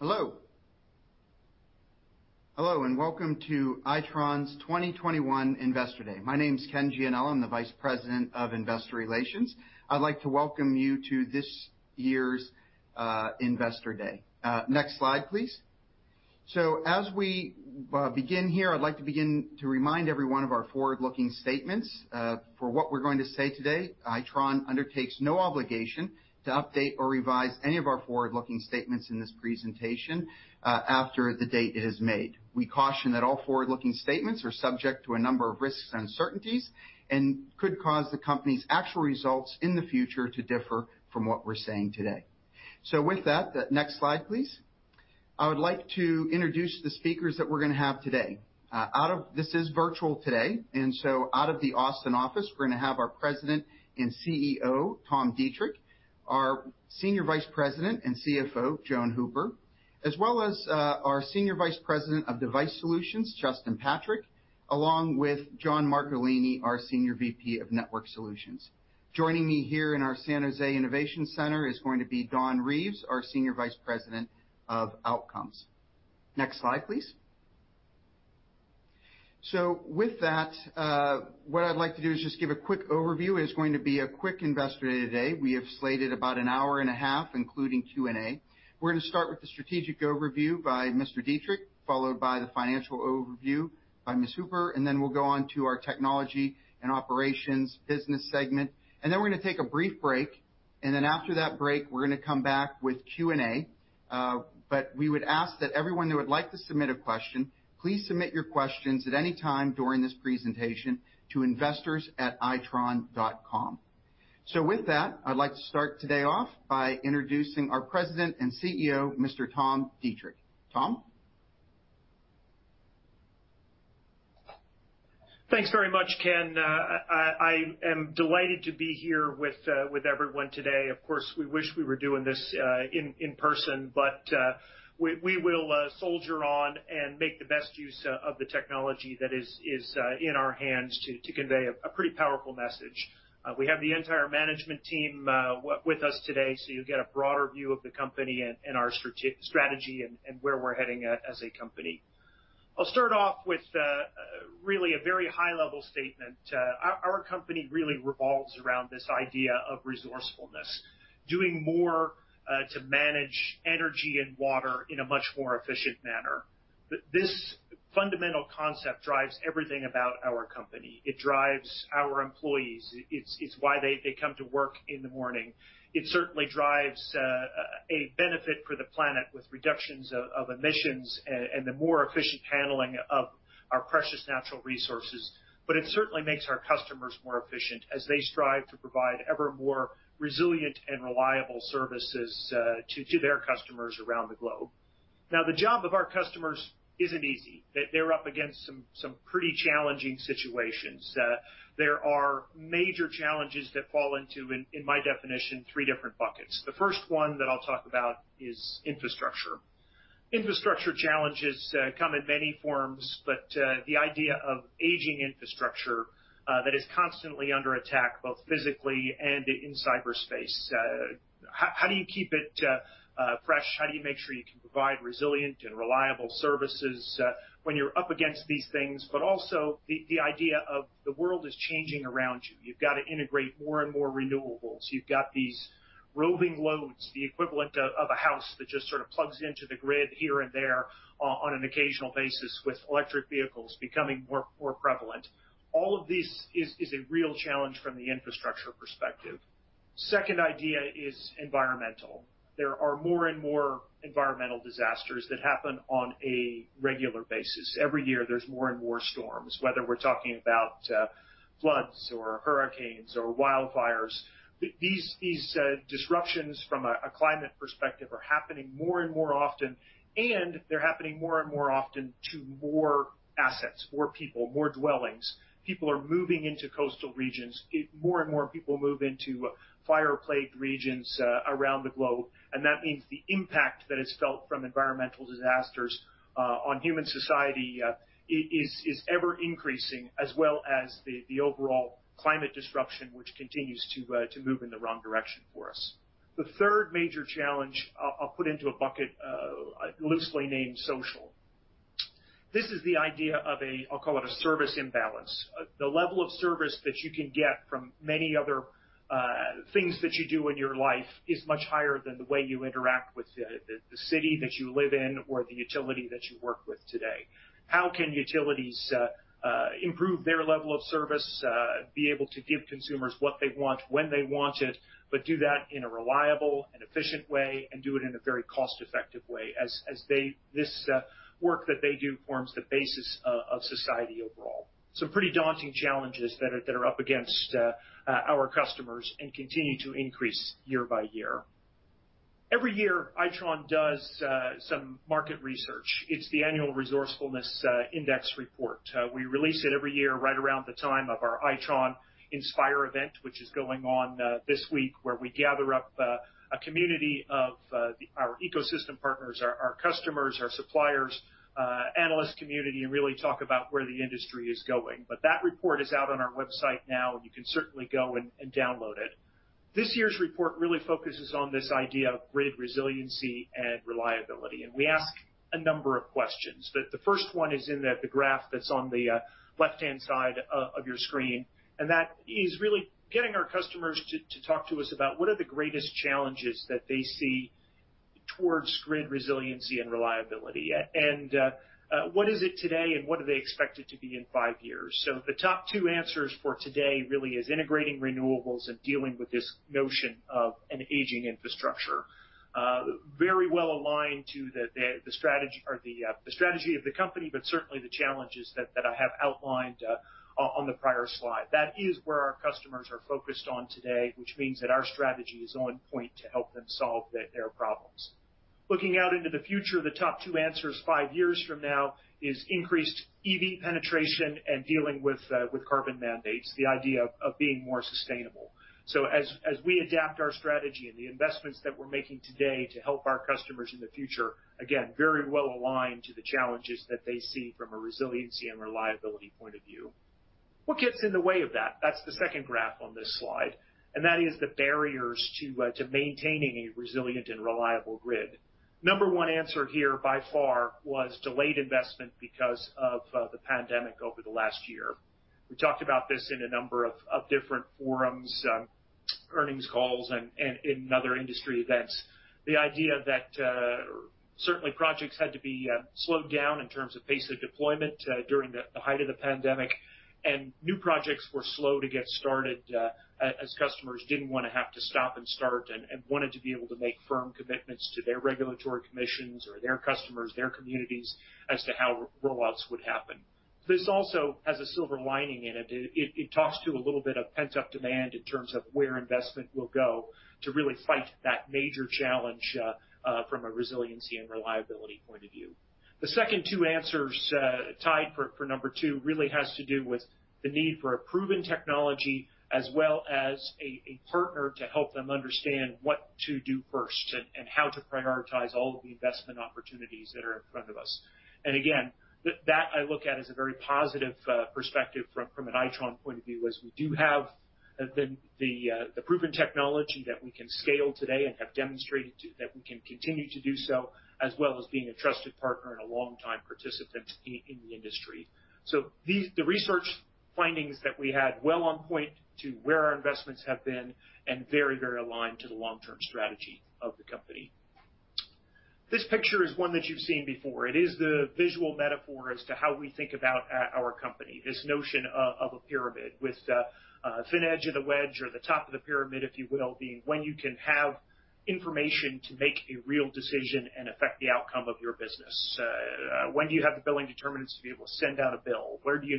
Hello, welcome to Itron's 2021 Investor Day. My name's Ken Gianella. I'm the Vice President of Investor Relations. I'd like to welcome you to this year's Investor Day. Next slide, please. As we begin here, I'd like to begin to remind everyone of our forward-looking statements. For what we're going to say today, Itron undertakes no obligation to update or revise any of our forward-looking statements in this presentation, after the date it is made. We caution that all forward-looking statements are subject to a number of risks and uncertainties and could cause the company's actual results in the future to differ from what we're saying today. With that, next slide, please. I would like to introduce the speakers that we're going to have today. This is virtual today, and so out of the Austin office, we're going to have our President and CEO, Tom Deitrich, our Senior Vice President and CFO, Joan Hooper, as well as our Senior Vice President of Device Solutions, Justin Patrick, along with John Marcolini, our Senior VP of Networked Solutions. Joining me here in our San Jose Innovation Center is going to be Don Reeves, our Senior Vice President of Outcomes. Next slide, please. With that, what I'd like to do is just give a quick overview. It is going to be a quick Investor Day today. We have slated about an hour and a half, including Q&A. We're going to start with the strategic overview by Mr. Deitrich, followed by the financial overview by Ms. Hooper, and then we'll go on to our technology and operations business segment. We're going to take a brief break, and then after that break, we're going to come back with Q&A. We would ask that everyone who would like to submit a question, please submit your questions at any time during this presentation to investors@itron.com. With that, I'd like to start today off by introducing our President and CEO, Mr. Tom Deitrich. Tom? Thanks very much, Ken. I am delighted to be here with everyone today. Of course, we wish we were doing this in person, but we will soldier on and make the best use of the technology that is in our hands to convey a pretty powerful message. We have the entire management team with us today, so you'll get a broader view of the company and our strategy and where we're heading as a company. I'll start off with really a very high-level statement. Our company really revolves around this idea of resourcefulness, doing more to manage energy and water in a much more efficient manner. This fundamental concept drives everything about our company. It drives our employees. It's why they come to work in the morning. It certainly drives a benefit for the planet with reductions of emissions and the more efficient handling of our precious natural resources. It certainly makes our customers more efficient as they strive to provide ever more resilient and reliable services to their customers around the globe. The job of our customers isn't easy. They're up against some pretty challenging situations. There are major challenges that fall into, in my definition, three different buckets. The first one that I'll talk about is infrastructure. Infrastructure challenges come in many forms, but the idea of aging infrastructure, that is constantly under attack, both physically and in cyberspace. How do you keep it fresh? How do you make sure you can provide resilient and reliable services, when you're up against these things? Also the idea of the world is changing around you. You've got to integrate more and more renewables. You've got these roving loads, the equivalent of a house that just sort of plugs into the grid here and there on an occasional basis with electric vehicles becoming more prevalent. All of this is a real challenge from the infrastructure perspective. Second idea is environmental. There are more and more environmental disasters that happen on a regular basis. Every year, there's more and more storms, whether we're talking about floods or hurricanes or wildfires. These disruptions from a climate perspective are happening more and more often, and they're happening more and more often to more assets, more people, more dwellings. People are moving into coastal regions. More and more people move into fire-plagued regions around the globe. That means the impact that is felt from environmental disasters on human society is ever increasing as well as the overall climate disruption, which continues to move in the wrong direction for us. The third major challenge I'll put into a bucket loosely named social. This is the idea of a, I'll call it, a service imbalance. The level of service that you can get from many other things that you do in your life is much higher than the way you interact with the city that you live in or the utility that you work with today. How can utilities improve their level of service, be able to give consumers what they want when they want it, but do that in a reliable and efficient way, and do it in a very cost-effective way, as this work that they do forms the basis of society overall? Some pretty daunting challenges that are up against our customers and continue to increase year by year. Every year, Itron does some market research. It's the annual Resourcefulness Index report. We release it every year right around the time of our Itron Inspire event, which is going on this week, where we gather up a community of our ecosystem partners, our customers, our suppliers, analyst community, and really talk about where the industry is going. That report is out on our website now, and you can certainly go and download it. This year's report really focuses on this idea of grid resiliency and reliability, and we ask a number of questions. The first one is in the graph that's on the left-hand side of your screen, that is really getting our customers to talk to us about what are the greatest challenges that they see towards grid resiliency and reliability. What is it today, and what do they expect it to be in five years? The top two answers for today really is integrating renewables and dealing with this notion of an aging infrastructure. Very well aligned to the strategy of the company, certainly the challenges that I have outlined on the prior slide. That is where our customers are focused on today, which means that our strategy is on point to help them solve their problems. Looking out into the future, the top two answers five years from now is increased EV penetration and dealing with carbon mandates, the idea of being more sustainable. As we adapt our strategy and the investments that we're making today to help our customers in the future, again, very well aligned to the challenges that they see from a resiliency and reliability point of view. What gets in the way of that? That's the second graph on this slide, and that is the barriers to maintaining a resilient and reliable grid. Number one answer here by far was delayed investment because of the pandemic over the last year. We talked about this in a number of different forums, earnings calls, and in other industry events. The idea that, certainly projects had to be slowed down in terms of pace of deployment during the height of the pandemic, and new projects were slow to get started, as customers didn't want to have to stop and start and wanted to be able to make firm commitments to their regulatory commissions or their customers, their communities, as to how roll-outs would happen. This also has a silver lining in it. It talks to a little bit of pent-up demand in terms of where investment will go to really fight that major challenge, from a resiliency and reliability point of view. The second two answers, tied for number two, really has to do with the need for a proven technology as well as a partner to help them understand what to do first and how to prioritize all of the investment opportunities that are in front of us. Again, that I look at as a very positive perspective from an Itron point of view, as we do have the proven technology that we can scale today and have demonstrated that we can continue to do so, as well as being a trusted partner and a long-time participant in the industry. The research findings that we had well on point to where our investments have been and very aligned to the long-term strategy of the company. This picture is one that you've seen before. It is the visual metaphor as to how we think about our company. This notion of a pyramid with the thin edge of the wedge or the top of the pyramid, if you will, being when you can have information to make a real decision and affect the outcome of your business. When do you have the billing determinants to be able to send out a bill? How do you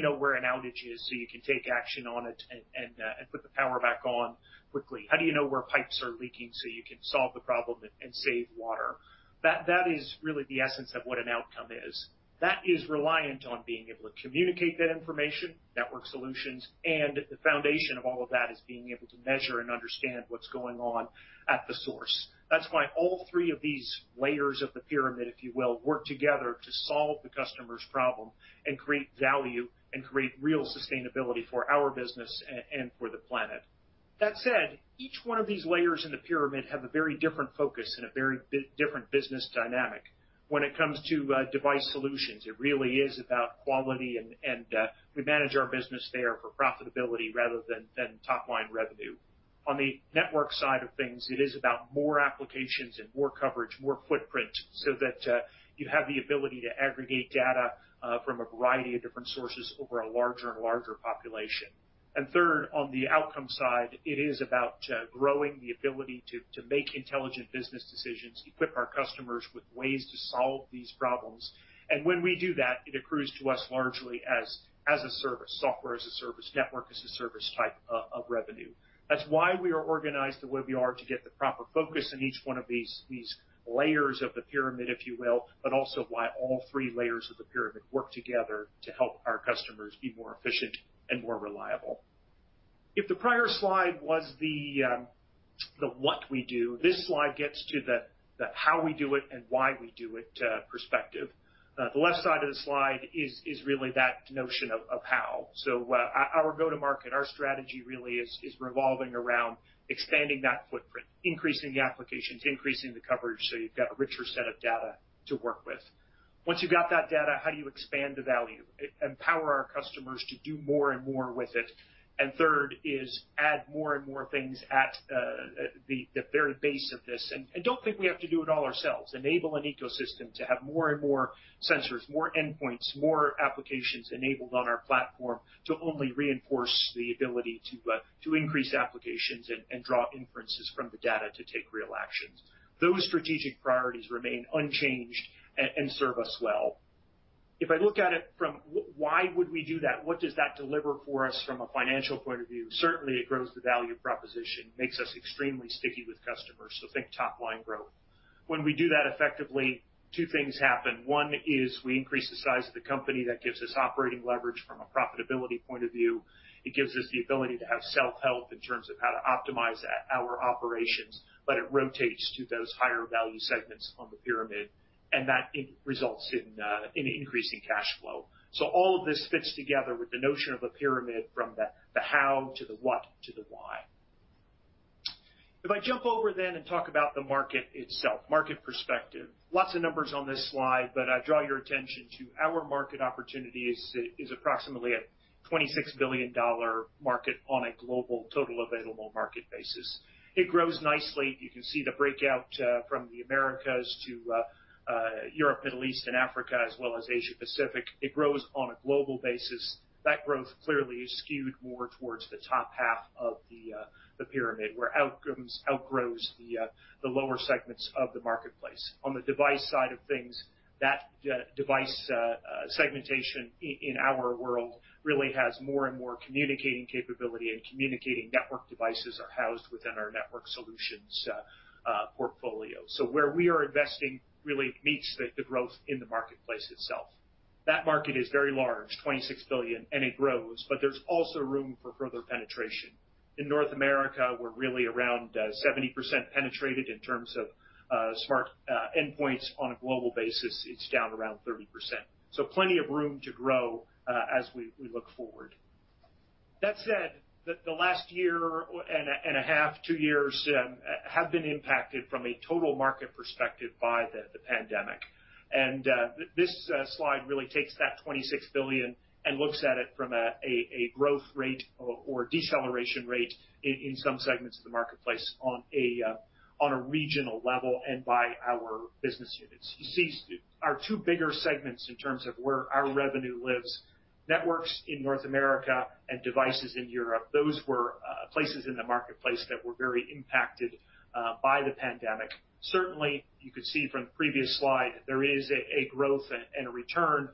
know where an outage is so you can take action on it and put the power back on quickly? How do you know where pipes are leaking so you can solve the problem and save water? That is really the essence of what an outcome is. That is reliant on being able to communicate that information, network solutions, and the foundation of all of that is being able to measure and understand what's going on at the source. That's why all three of these layers of the pyramid, if you will, work together to solve the customer's problem and create value and create real sustainability for our business and for the planet. That said, each one of these layers in the pyramid have a very different focus and a very different business dynamic. When it comes to Device Solutions, it really is about quality, and we manage our business there for profitability rather than top-line revenue. On the network side of things, it is about more applications and more coverage, more footprint, so that you have the ability to aggregate data from a variety of different sources over a larger and larger population. Third, on the outcome side, it is about growing the ability to make intelligent business decisions, equip our customers with ways to solve these problems. When we do that, it accrues to us largely as a service, Software as a Service, Network as a Service type of revenue. That's why we are organized the way we are to get the proper focus in each one of these layers of the pyramid, if you will, but also why all three layers of the pyramid work together to help our customers be more efficient and more reliable. If the prior slide was the what we do, this slide gets to the how we do it and why we do it perspective. The left side of the slide is really that notion of how. Our go-to-market, our strategy really is revolving around expanding that footprint, increasing the applications, increasing the coverage so you've got a richer set of data to work with. Once you've got that data, how do you expand the value, empower our customers to do more and more with it? Third is add more and more things at the very base of this. Don't think we have to do it all ourselves. Enable an ecosystem to have more and more sensors, more endpoints, more applications enabled on our platform to only reinforce the ability to increase applications and draw inferences from the data to take real actions. Those strategic priorities remain unchanged and serve us well. If I look at it from why would we do that? What does that deliver for us from a financial point of view? Certainly, it grows the value proposition, makes us extremely sticky with customers. Think top-line growth. When we do that effectively, two things happen. One is we increase the size of the company. That gives us operating leverage from a profitability point of view. It gives us the ability to have self-help in terms of how to optimize our operations. It rotates to those higher value segments on the pyramid, and that results in increasing cash flow. All of this fits together with the notion of a pyramid from the how to the what to the why. If I jump over then and talk about the market itself, market perspective. Lots of numbers on this slide. I draw your attention to our market opportunity is approximately a $26 billion market on a global total available market basis. It grows nicely. You can see the breakout from the Americas to Europe, Middle East, and Africa, as well as Asia Pacific. It grows on a global basis. That growth clearly is skewed more towards the top half of the pyramid, where outcomes outgrows the lower segments of the marketplace. On the Device Solutions side of things, that device segmentation in our world really has more and more communicating capability, and communicating network devices are housed within our Network Solutions portfolio. Where we are investing really meets the growth in the marketplace itself. That market is very large, $26 billion, and it grows, but there's also room for further penetration. In North America, we're really around 70% penetrated in terms of smart endpoints. On a global basis, it's down around 30%. Plenty of room to grow as we look forward. That said, the last year and a half, two years in, have been impacted from a total market perspective by the pandemic. This slide really takes that $26 billion and looks at it from a growth rate or deceleration rate in some segments of the marketplace on a regional level and by our business units. You see our two bigger segments in terms of where our revenue lives, Networks in North America and Devices in Europe. Those were places in the marketplace that were very impacted by the pandemic. Certainly, you could see from the previous slide, there is a growth and a return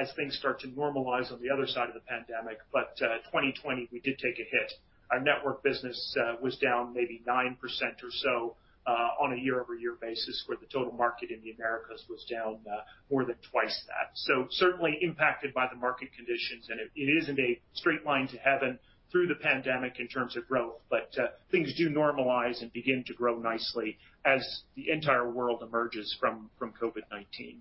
as things start to normalize on the other side of the pandemic. 2020, we did take a hit. Our Networked Solutions business was down maybe 9% or so on a year-over-year basis, where the total market in the Americas was down more than twice that. Certainly impacted by the market conditions, and it isn't a straight line to heaven through the pandemic in terms of growth. Things do normalize and begin to grow nicely as the entire world emerges from COVID-19.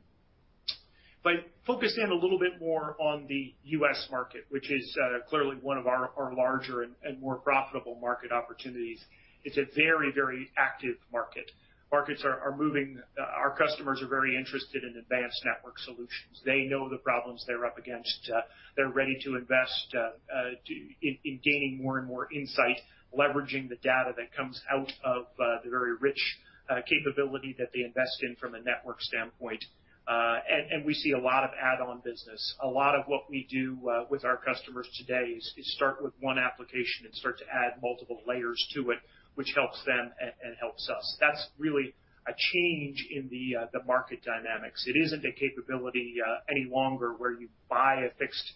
If I focus in a little bit more on the U.S. market, which is clearly one of our larger and more profitable market opportunities. It's a very, very active market. Markets are moving. Our customers are very interested in advanced network solutions. They know the problems they're up against. They're ready to invest in gaining more and more insight, leveraging the data that comes out of the very rich capability that they invest in from a network standpoint. We see a lot of add-on business. A lot of what we do with our customers today is start with one application and start to add multiple layers to it, which helps them and helps us. That's really a change in the market dynamics. It isn't a capability any longer where you buy a fixed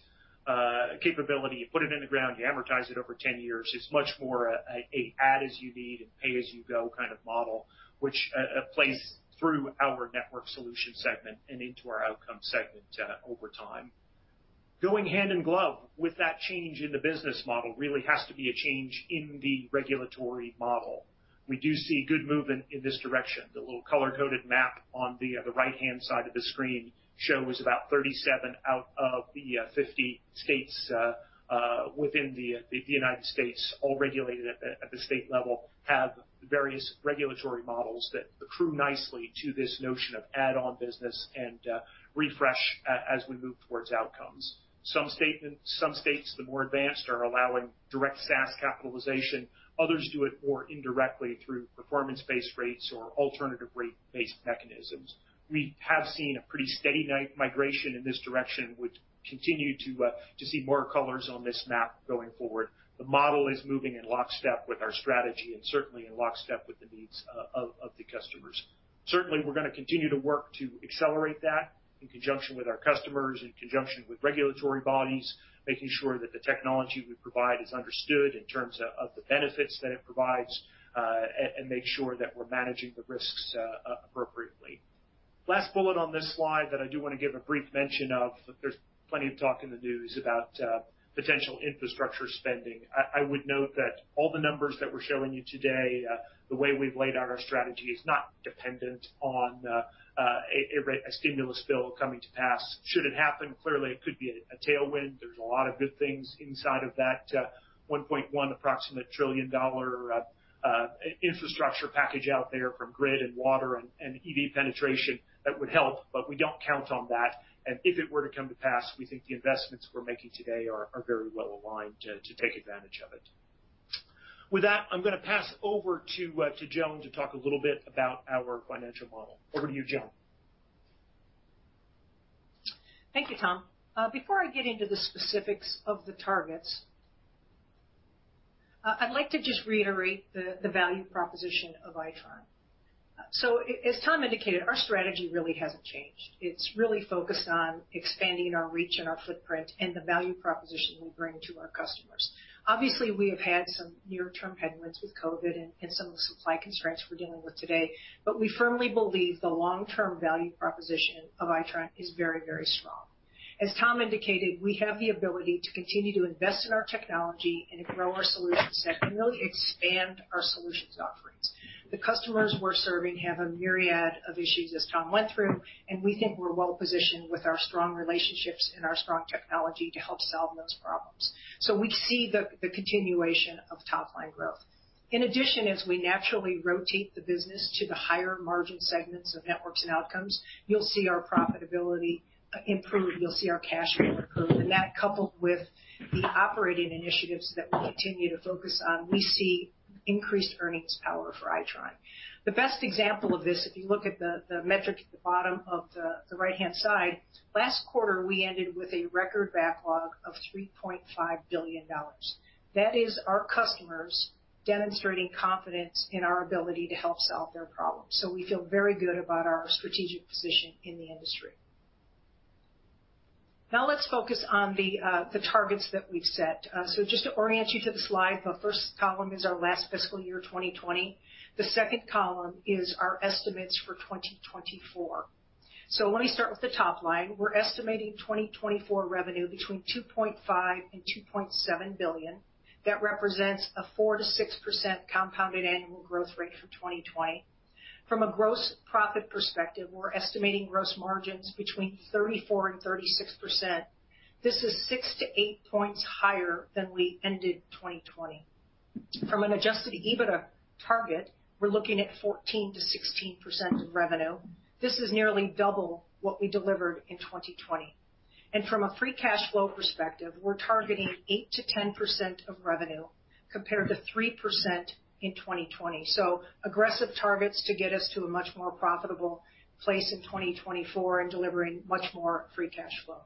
capability, you put it in the ground, you amortize it over 10 years. It's much more an add as you need and pay as you go kind of model, which plays through our Networked Solutions segment and into our Outcomes segment over time. Going hand in glove with that change in the business model really has to be a change in the regulatory model. We do see good movement in this direction. The little color-coded map on the right-hand side of the screen shows about 37 out of the 50 states within the United States, all regulated at the state level, have various regulatory models that accrue nicely to this notion of add-on business and refresh as we move towards Outcomes. Some states, the more advanced, are allowing direct SaaS capitalization. Others do it more indirectly through performance-based rates or alternative rate-based mechanisms. We have seen a pretty steady migration in this direction and would continue to see more colors on this map going forward. The model is moving in lockstep with our strategy and certainly in lockstep with the needs of the customers. Certainly, we're going to continue to work to accelerate that in conjunction with our customers, in conjunction with regulatory bodies, making sure that the technology we provide is understood in terms of the benefits that it provides, and make sure that we're managing the risks appropriately. Last bullet on this slide that I do want to give a brief mention of, there's plenty of talk in the news about potential infrastructure spending. I would note that all the numbers that we're showing you today, the way we've laid out our strategy is not dependent on a stimulus bill coming to pass. Should it happen, clearly it could be a tailwind. There's a lot of good things inside of that $1.1 approximate trillion infrastructure package out there from grid and water and EV penetration that would help, but we don't count on that. If it were to come to pass, we think the investments we're making today are very well aligned to take advantage of it. With that, I'm going to pass over to Joan to talk a little bit about our financial model. Over to you, Joan. Thank you, Tom. Before I get into the specifics of the targets, I'd like to just reiterate the value proposition of Itron. As Tom indicated, our strategy really hasn't changed. It's really focused on expanding our reach and our footprint and the value proposition we bring to our customers. Obviously, we have had some near-term headwinds with COVID and some of the supply constraints we're dealing with today, but we firmly believe the long-term value proposition of Itron is very strong. As Tom indicated, we have the ability to continue to invest in our technology and grow our solutions that can really expand our solutions offerings. The customers we're serving have a myriad of issues, as Tom went through, and we think we're well-positioned with our strong relationships and our strong technology to help solve those problems. We see the continuation of top-line growth. In addition, as we naturally rotate the business to the higher margin segments of networks and outcomes, you'll see our profitability improve, you'll see our cash rate improve. That coupled with the operating initiatives that we'll continue to focus on, we see increased earnings power for Itron. The best example of this, if you look at the metric at the bottom of the right-hand side, last quarter, we ended with a record backlog of $3.5 billion. That is our customers demonstrating confidence in our ability to help solve their problems. We feel very good about our strategic position in the industry. Now let's focus on the targets that we've set. Just to orient you to the slide, the first column is our last fiscal year 2020. The second column is our estimates for 2024. Let me start with the top line. We're estimating 2024 revenue between $2.5 billion and $2.7 billion. That represents a 4%-6% compounded annual growth rate from 2020. From a gross profit perspective, we're estimating gross margins between 34% and 36%. This is 6-8 points higher than we ended 2020. From an adjusted EBITDA target, we're looking at 14%-16% of revenue. This is nearly double what we delivered in 2020. From a free cash flow perspective, we're targeting 8%-10% of revenue compared to 3% in 2020. Aggressive targets to get us to a much more profitable place in 2024 and delivering much more free cash flow.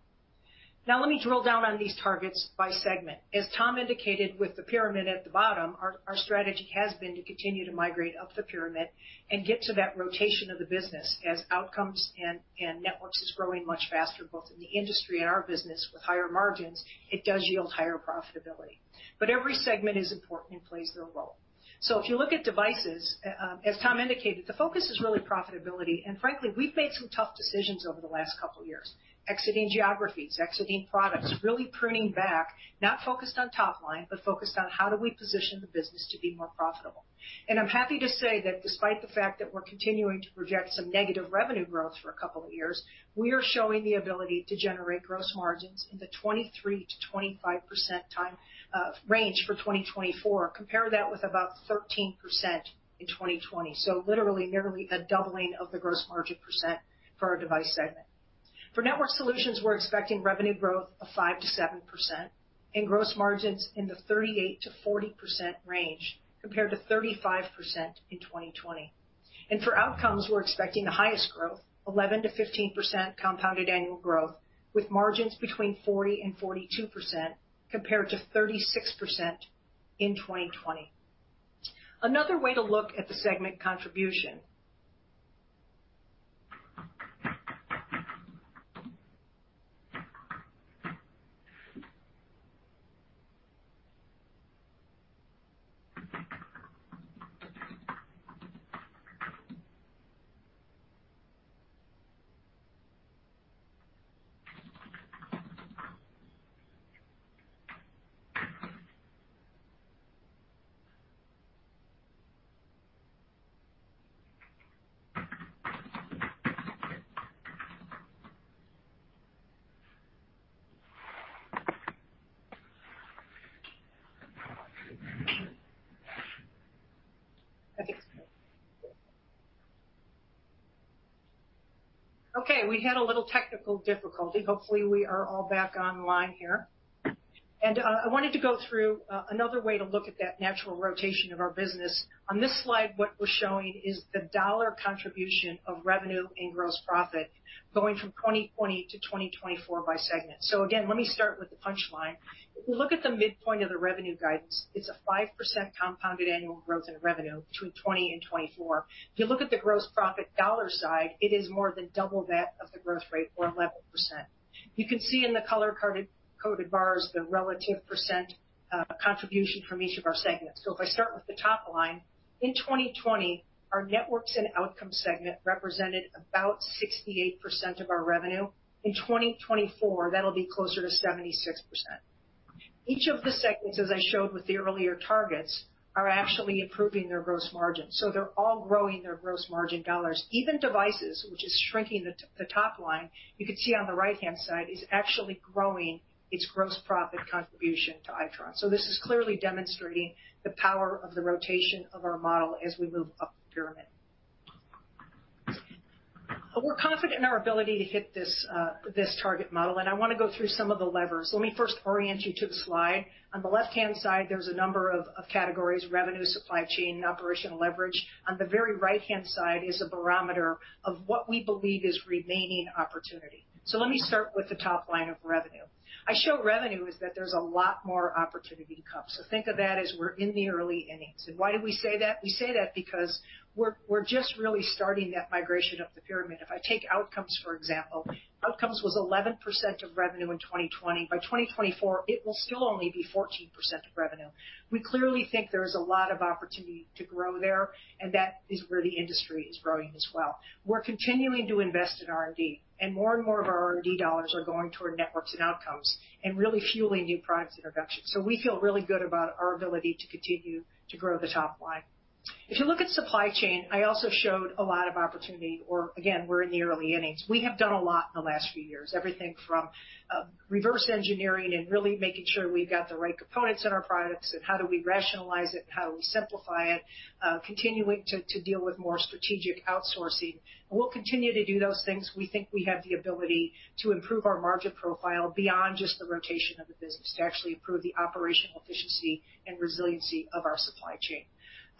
Now let me drill down on these targets by segment. As Tom indicated with the pyramid at the bottom, our strategy has been to continue to migrate up the pyramid and get to that rotation of the business as Outcomes and Networks is growing much faster, both in the industry and our business with higher margins. It does yield higher profitability. Every segment is important and plays their role. If you look at Devices, as Tom indicated, the focus is really profitability, and frankly, we've made some tough decisions over the last couple of years. Exiting geographies, exiting products, really pruning back, not focused on top line, but focused on how do we position the business to be more profitable. I'm happy to say that despite the fact that we're continuing to project some negative revenue growth for a couple of years, we are showing the ability to generate gross margins in the 23%-25% range for 2024. Compare that with about 13% in 2020. Literally nearly a doubling of the gross margin percent for our device segment. For Networked Solutions, we're expecting revenue growth of 5%-7% and gross margins in the 38%-40% range, compared to 35% in 2020. For Outcomes, we're expecting the highest growth, 11%-15% compounded annual growth, with margins between 40% and 42%, compared to 36% in 2020. Another way to look at the segment contribution. Okay, we had a little technical difficulty. Hopefully, we are all back online here. I wanted to go through another way to look at that natural rotation of our business. On this slide, what we're showing is the dollar contribution of revenue and gross profit going from 2020 to 2024 by segment. Again, let me start with the punchline. If you look at the midpoint of the revenue guidance, it's a 5% compounded annual growth in revenue between 2020 and 2024. If you look at the gross profit dollar side, it is more than double that of the growth rate or 11%. You can see in the color-coded bars the relative percent contribution from each of our segments. If I start with the top line, in 2020, our networks and outcomes segment represented about 68% of our revenue. In 2024, that'll be closer to 76%. Each of the segments, as I showed with the earlier targets, are actually improving their gross margin. They're all growing their gross margin dollars. Even Devices, which is shrinking the top line, you could see on the right-hand side, is actually growing its gross profit contribution to Itron. This is clearly demonstrating the power of the rotation of our model as we move up the pyramid. We're confident in our ability to hit this target model, and I want to go through some of the levers. Let me first orient you to the slide. On the left-hand side, there's a number of categories, revenue, supply chain, operational leverage. On the very right-hand side is a barometer of what we believe is remaining opportunity. Let me start with the top line of revenue. I show revenue is that there's a lot more opportunity to come. Think of that as we're in the early innings. Why do we say that? We say that because we're just really starting that migration up the pyramid. If I take Outcomes, for example, Outcomes was 11% of revenue in 2020. By 2024, it will still only be 14% of revenue. We clearly think there is a lot of opportunity to grow there, and that is where the industry is growing as well. We're continuing to invest in R&D, and more and more of our R&D dollars are going toward Networks and Outcomes and really fueling new products introduction. We feel really good about our ability to continue to grow the top line. If you look at supply chain, I also showed a lot of opportunity, or again, we're in the early innings. We have done a lot in the last few years. Everything from reverse engineering and really making sure we've got the right components in our products, and how do we rationalize it, and how do we simplify it, continuing to deal with more strategic outsourcing. We'll continue to do those things. We think we have the ability to improve our margin profile beyond just the rotation of the business to actually improve the operational efficiency and resiliency of our supply chain.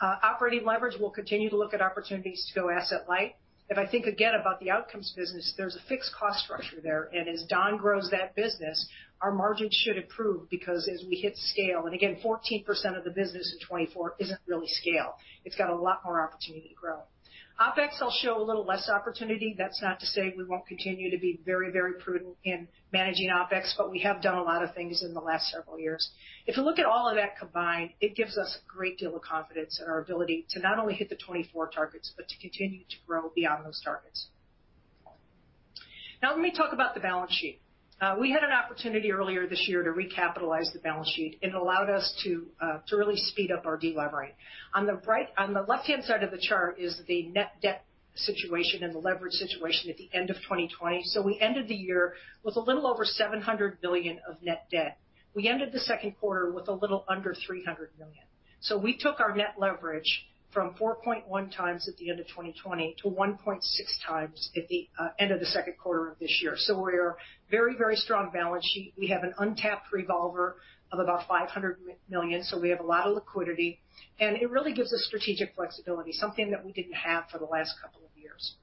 Operating leverage, we'll continue to look at opportunities to go asset-light. If I think again about the outcomes business, there's a fixed cost structure there, and as Don grows that business, our margins should improve because as we hit scale, and again, 14% of the business in 2024 isn't really scale. It's got a lot more opportunity to grow. OpEx, I'll show a little less opportunity. That's not to say we won't continue to be very prudent in managing OpEx, but we have done a lot of things in the last several years. If you look at all of that combined, it gives us a great deal of confidence in our ability to not only hit the 2024 targets but to continue to grow beyond those targets. Let me talk about the balance sheet. We had an opportunity earlier this year to recapitalize the balance sheet. It allowed us to really speed up our de-levering. On the left-hand side of the chart is the net debt situation and the leverage situation at the end of 2020. We ended the year with a little over $700 million of net debt. We ended the second quarter with a little under $300 million. We took our net leverage from 4.1x at the end of 2020 to 1.6x at the end of the second quarter of this year. We are very strong balance sheet. We have an untapped revolver of about $500 million, so we have a lot of liquidity, and it really gives us strategic flexibility, something that we didn't have for the last couple of years.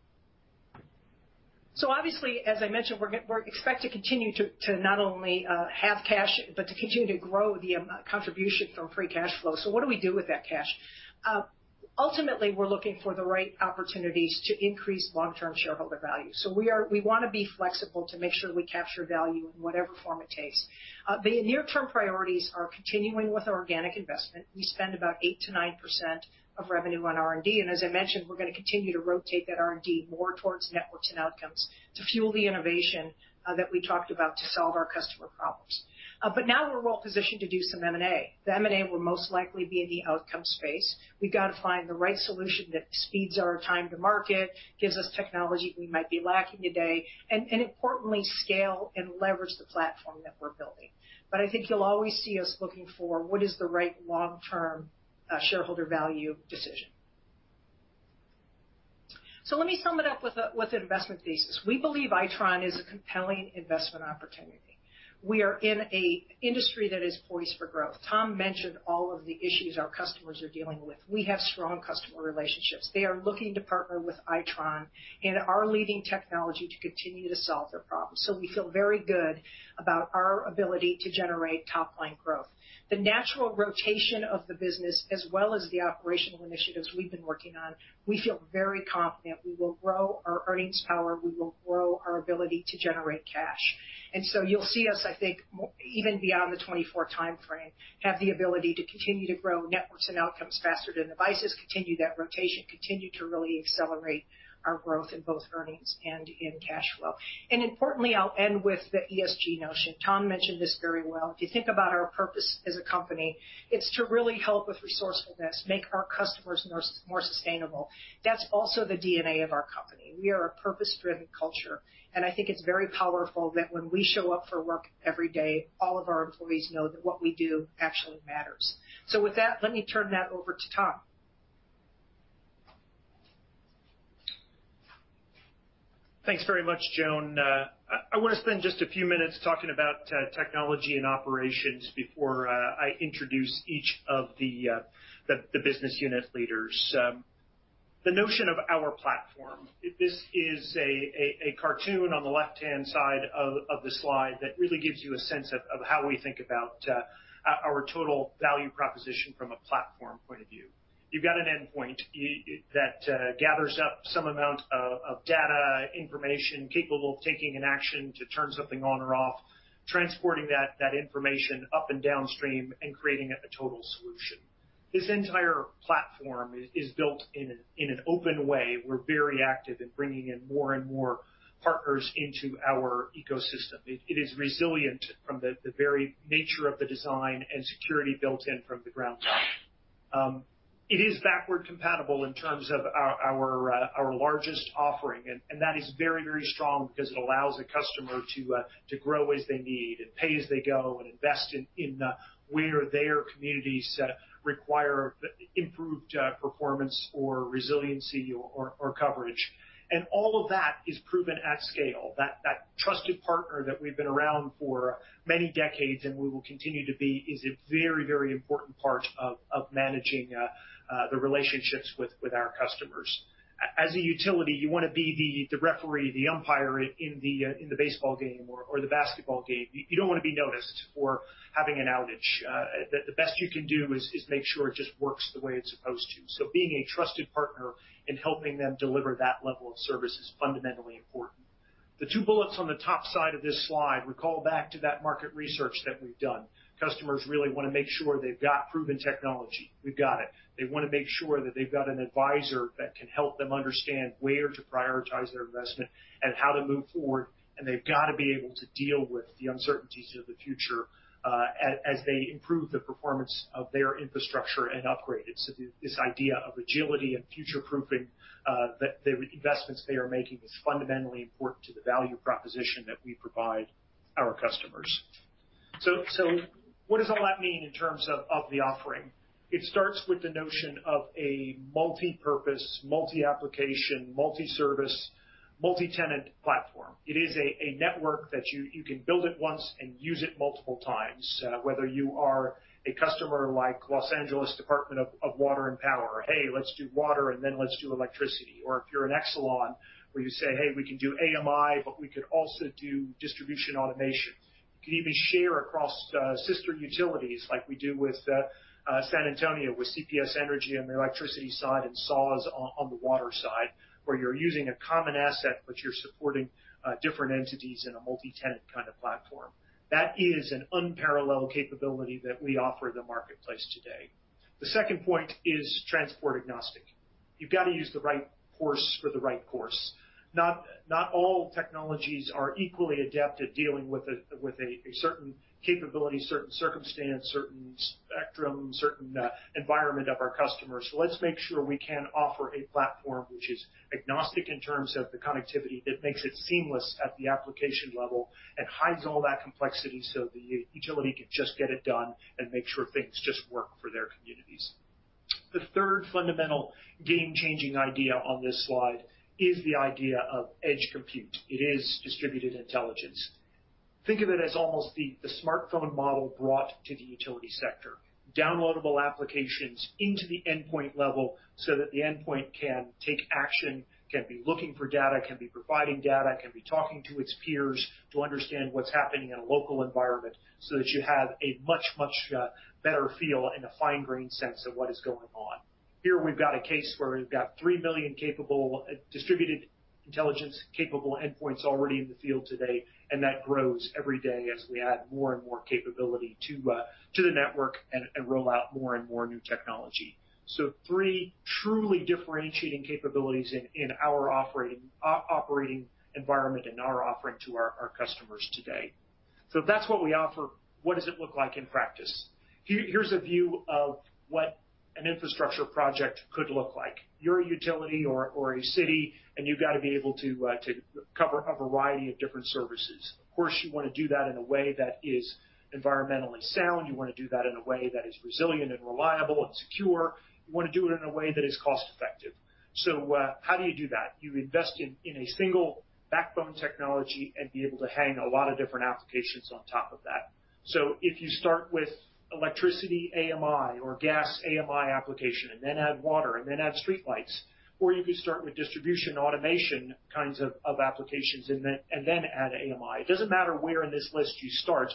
Obviously, as I mentioned, we expect to continue to not only have cash, but to continue to grow the contribution from free cash flow. What do we do with that cash? Ultimately, we're looking for the right opportunities to increase long-term shareholder value. We want to be flexible to make sure we capture value in whatever form it takes. The near-term priorities are continuing with organic investment. We spend about 8%-9% of revenue on R&D, and as I mentioned, we're going to continue to rotate that R&D more towards networks and outcomes to fuel the innovation that we talked about to solve our customer problems. Now we're well-positioned to do some M&A. The M&A will most likely be in the outcome space. We've got to find the right solution that speeds our time to market, gives us technology we might be lacking today, and importantly, scale and leverage the platform that we're building. I think you'll always see us looking for what is the right long-term shareholder value decision. Let me sum it up with an investment thesis. We believe Itron is a compelling investment opportunity. We are in an industry that is poised for growth. Tom mentioned all of the issues our customers are dealing with. We have strong customer relationships. They are looking to partner with Itron and our leading technology to continue to solve their problems. We feel very good about our ability to generate top-line growth. The natural rotation of the business, as well as the operational initiatives we've been working on, we feel very confident we will grow our earnings power, we will grow our ability to generate cash. You'll see us, I think, even beyond the 2024 timeframe, have the ability to continue to grow networks and outcomes faster than devices, continue that rotation, continue to really accelerate our growth in both earnings and in cash flow. Importantly, I'll end with the ESG notion. Tom mentioned this very well. If you think about our purpose as a company, it's to really help with resourcefulness, make our customers more sustainable. That's also the DNA of our company. We are a purpose-driven culture, and I think it's very powerful that when we show up for work every day, all of our employees know that what we do actually matters. With that, let me turn that over to Tom. Thanks very much, Joan. I want to spend just a few minutes talking about technology and operations before I introduce each of the business unit leaders. The notion of our platform. This is a cartoon on the left-hand side of the slide that really gives you a sense of how we think about our total value proposition from a platform point of view. You've got an endpoint that gathers up some amount of data, information capable of taking an action to turn something on or off, transporting that information up and downstream, and creating a total solution. This entire platform is built in an open way. We're very active in bringing in more and more partners into our ecosystem. It is resilient from the very nature of the design and security built in from the ground up. It is backward compatible in terms of our largest offering. That is very, very strong because it allows the customer to grow as they need and pay as they go and invest in where their communities require improved performance or resiliency or coverage. All of that is proven at scale. That trusted partner that we've been around for many decades, and we will continue to be, is a very important part of managing the relationships with our customers. As a utility, you want to be the referee, the umpire in the baseball game or the basketball game. You don't want to be noticed for having an outage. The best you can do is make sure it just works the way it's supposed to. Being a trusted partner and helping them deliver that level of service is fundamentally important. The two bullets on the top side of this slide recall back to that market research that we've done. Customers really want to make sure they've got proven technology. We've got it. They want to make sure that they've got an advisor that can help them understand where to prioritize their investment and how to move forward. They've got to be able to deal with the uncertainties of the future, as they improve the performance of their infrastructure and upgrade it. This idea of agility and future-proofing, that the investments they are making is fundamentally important to the value proposition that we provide our customers. What does all that mean in terms of the offering? It starts with the notion of a multipurpose, multi-application, multi-service, multi-tenant platform. It is a network that you can build it once and use it multiple times. Whether you are a customer like Los Angeles Department of Water and Power. "Hey, let's do water and then let's do electricity." If you're an Exelon where you say, "Hey, we can do AMI, but we could also do distribution automation." You can even share across sister utilities, like we do with San Antonio, with CPS Energy on the electricity side and SAWS on the water side, where you're using a common asset, but you're supporting different entities in a multi-tenant kind of platform. That is an unparalleled capability that we offer the marketplace today. The second point is transport agnostic. You've got to use the right horse for the right course. Not all technologies are equally adept at dealing with a certain capability, certain circumstance, certain spectrum, certain environment of our customers. Let's make sure we can offer a platform which is agnostic in terms of the connectivity that makes it seamless at the application level and hides all that complexity so the utility can just get it done and make sure things just work for their communities. The third fundamental game-changing idea on this slide is the idea of Edge compute. It is distributed intelligence. Think of it as almost the smartphone model brought to the utility sector. Downloadable applications into the endpoint level so that the endpoint can take action, can be looking for data, can be providing data, can be talking to its peers to understand what's happening in a local environment, so that you have a much better feel and a fine-grain sense of what is going on. Here we've got a case where we've got 3 million distributed intelligence capable endpoints already in the field today, and that grows every day as we add more and more capability to the network and roll out more and more new technology. Three truly differentiating capabilities in our operating environment and our offering to our customers today. If that's what we offer, what does it look like in practice? Here's a view of what an infrastructure project could look like. You're a utility or a city, and you've got to be able to cover a variety of different services. Of course, you want to do that in a way that is environmentally sound. You want to do that in a way that is resilient and reliable and secure. You want to do it in a way that is cost-effective. How do you do that? You invest in a single backbone technology and be able to hang a lot of different applications on top of that. If you start with electricity AMI or Gas AMI application and then add water and then add streetlights, or you could start with distribution automation kinds of applications and then add AMI. It doesn't matter where in this list you start.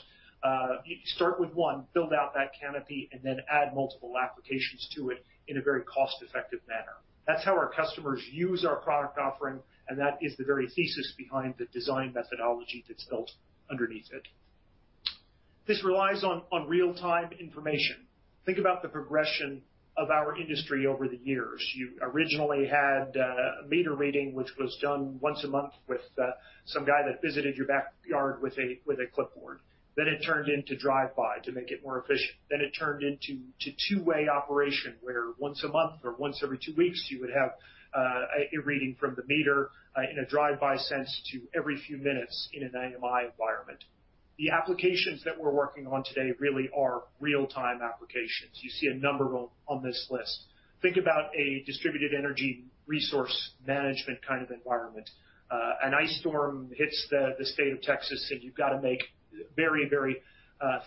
You start with one, build out that canopy, and then add multiple applications to it in a very cost-effective manner. That's how our customers use our product offering, and that is the very thesis behind the design methodology that's built underneath it. This relies on real-time information. Think about the progression of our industry over the years. You originally had a meter reading, which was done once a month with some guy that visited your backyard with a clipboard. It turned into drive-by to make it more efficient. It turned into two-way operation, where once a month or once every two weeks, you would have a reading from the meter in a drive-by sense to every few minutes in an AMI environment. The applications that we're working on today really are real-time applications. You see a number on this list. Think about a distributed energy resource management kind of environment. An ice storm hits the state of Texas, and you've got to make very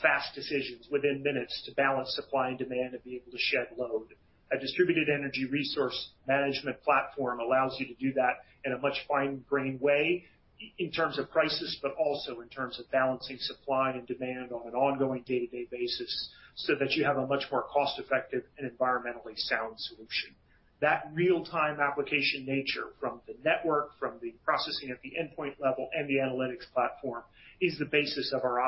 fast decisions within minutes to balance supply and demand and be able to shed load. A distributed energy resource management platform allows you to do that in a much fine-grain way in terms of crisis, but also in terms of balancing supply and demand on an ongoing day-to-day basis, so that you have a much more cost-effective and environmentally sound solution. That real-time application nature from the network, from the processing at the endpoint level and the analytics platform is the basis of our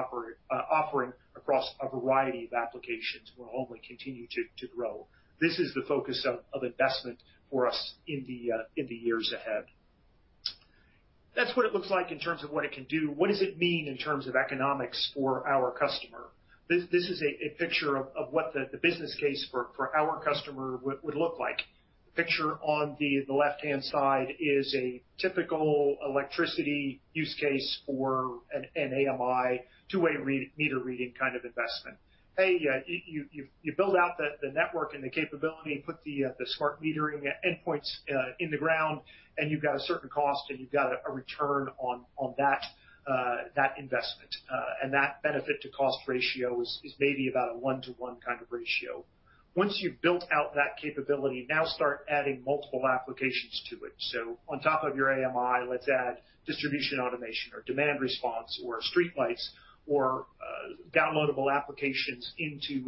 offering across a variety of applications will only continue to grow. This is the focus of investment for us in the years ahead. That's what it looks like in terms of what it can do. What does it mean in terms of economics for our customer? This is a picture of what the business case for our customer would look like. The picture on the left-hand side is a typical electricity use case for an AMI two-way meter reading kind of investment. Hey, you build out the network and the capability, put the smart metering endpoints in the ground, and you've got a certain cost, and you've got a return on that investment. That benefit to cost ratio is maybe about a 1:1 kind of ratio. Once you've built out that capability, start adding multiple applications to it. On top of your AMI, let's add distribution automation or demand response or streetlights or downloadable applications into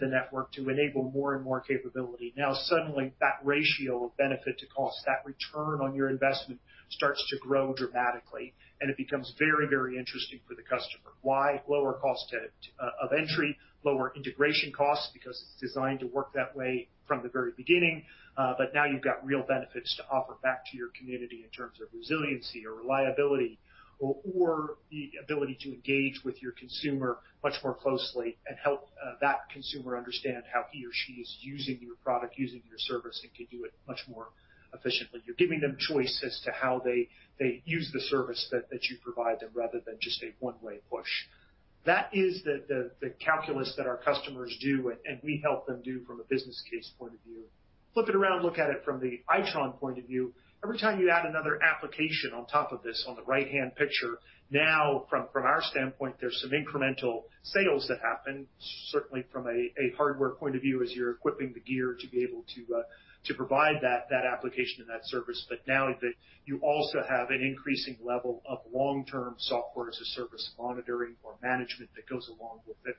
the network to enable more and more capability. Suddenly, that ratio of benefit to cost, that return on your investment, starts to grow dramatically, and it becomes very interesting for the customer. Why? Lower cost of entry, lower integration costs, because it's designed to work that way from the very beginning. Now you've got real benefits to offer back to your community in terms of resiliency or reliability or the ability to engage with your consumer much more closely and help that consumer understand how he or she is using your product, using your service, and can do it much more efficiently. You're giving them choice as to how they use the service that you provide them rather than just a one-way push. That is the calculus that our customers do, and we help them do from a business case point of view. Flip it around, look at it from the Itron point of view. Every time you add another application on top of this, on the right-hand picture, now from our standpoint, there's some incremental sales that happen, certainly from a hardware point of view, as you're equipping the gear to be able to provide that application and that service. Now you also have an increasing level of long-term Software as a Service monitoring or management that goes along with it.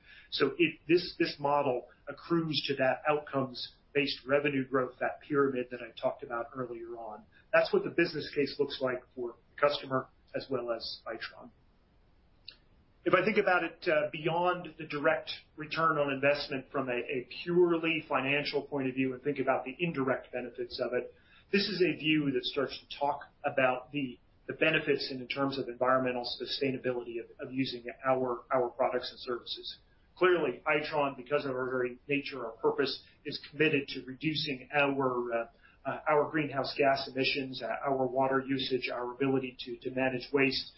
If this model accrues to that outcomes-based revenue growth, that pyramid that I talked about earlier on, that's what the business case looks like for the customer as well as Itron. If I think about it beyond the direct return on investment from a purely financial point of view and think about the indirect benefits of it, this is a view that starts to talk about the benefits in the terms of environmental sustainability of using our products and services. Clearly, Itron, because of our very nature, our purpose, is committed to reducing our greenhouse gas emissions, our water usage, our ability to manage waste,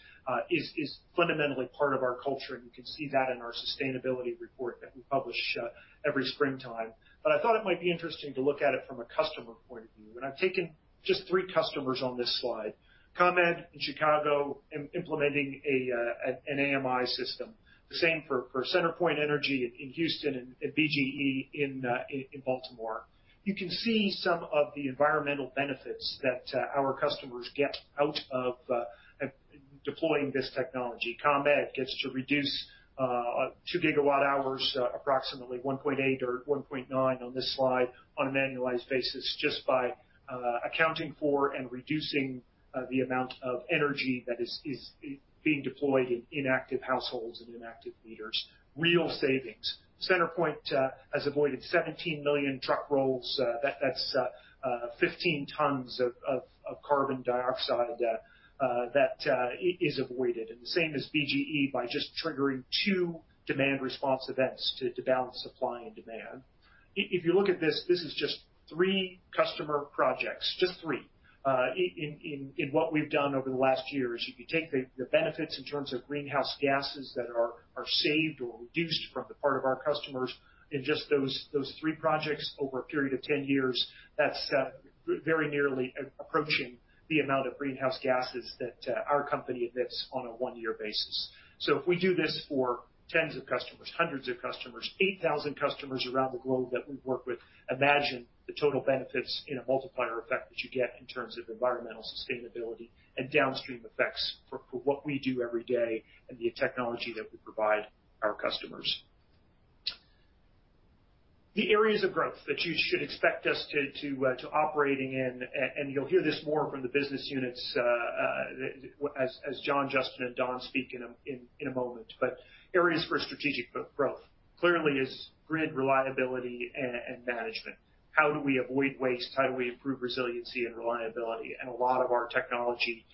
is fundamentally part of our culture, and you can see that in our sustainability report that we publish every springtime. I thought it might be interesting to look at it from a customer point of view, and I've taken just three customers on this slide. ComEd in Chicago, implementing an AMI system. The same for CenterPoint Energy in Houston and BGE in Baltimore. You can see some of the environmental benefits that our customers get out of deploying this technology. ComEd gets to reduce 2 GWh, approximately 1.8 GWh or 1.9 GWh on this slide, on an annualized basis just by accounting for and reducing the amount of energy that is being deployed in inactive households and inactive meters. Real savings. CenterPoint has avoided 17 million truck rolls. That's 15 tons of carbon dioxide that is avoided. The same as BGE by just triggering two demand response events to balance supply and demand. If you look at this is just three customer projects, just three. In what we've done over the last years, if you take the benefits in terms of greenhouse gases that are saved or reduced from the part of our customers in just those three projects over a period of 10 years, that's very nearly approaching the amount of greenhouse gases that our company emits on a one-year basis. If we do this for tens of customers, hundreds of customers, 8,000 customers around the globe that we work with, imagine the total benefits in a multiplier effect that you get in terms of environmental sustainability and downstream effects for what we do every day and the technology that we provide our customers. The areas of growth that you should expect us to operating in, and you'll hear this more from the business units as John, Justin, and Don speak in a moment, but areas for strategic growth clearly is grid reliability and management. How do we avoid waste? How do we improve resiliency and reliability? A lot of our technology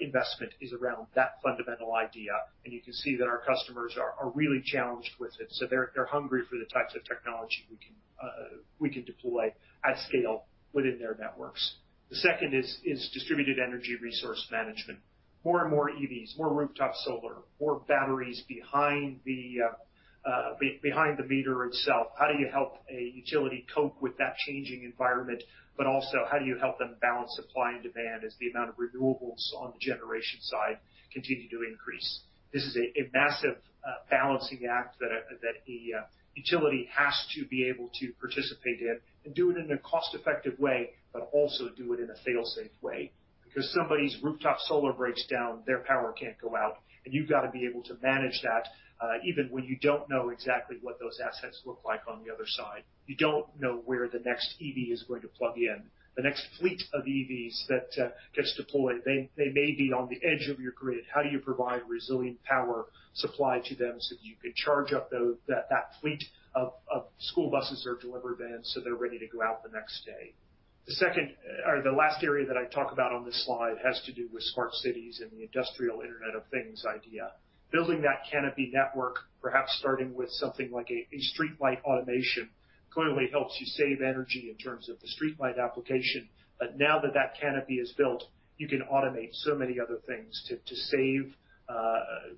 investment is around that fundamental idea, and you can see that our customers are really challenged with it. They're hungry for the types of technology we can deploy at scale within their networks. The second is distributed energy resource management. More and more EVs, more rooftop solar, more batteries behind the meter itself. How do you help a utility cope with that changing environment? Also, how do you help them balance supply and demand as the amount of renewables on the generation side continue to increase? This is a massive balancing act that a utility has to be able to participate in and do it in a cost-effective way, but also do it in a fail-safe way. Because somebody's rooftop solar breaks down, their power can't go out, and you've got to be able to manage that, even when you don't know exactly what those assets look like on the other side. You don't know where the next EV is going to plug in. The next fleet of EVs that gets deployed, they may be on the edge of your grid. How do you provide resilient power supply to them so that you can charge up that fleet of school buses or delivery vans so they're ready to go out the next day? The second or the last area that I talk about on this slide has to do with smart cities and the industrial Internet of Things idea. Building that canopy network, perhaps starting with something like a streetlight automation, clearly helps you save energy in terms of the streetlight application. Now that that canopy is built, you can automate so many other things to save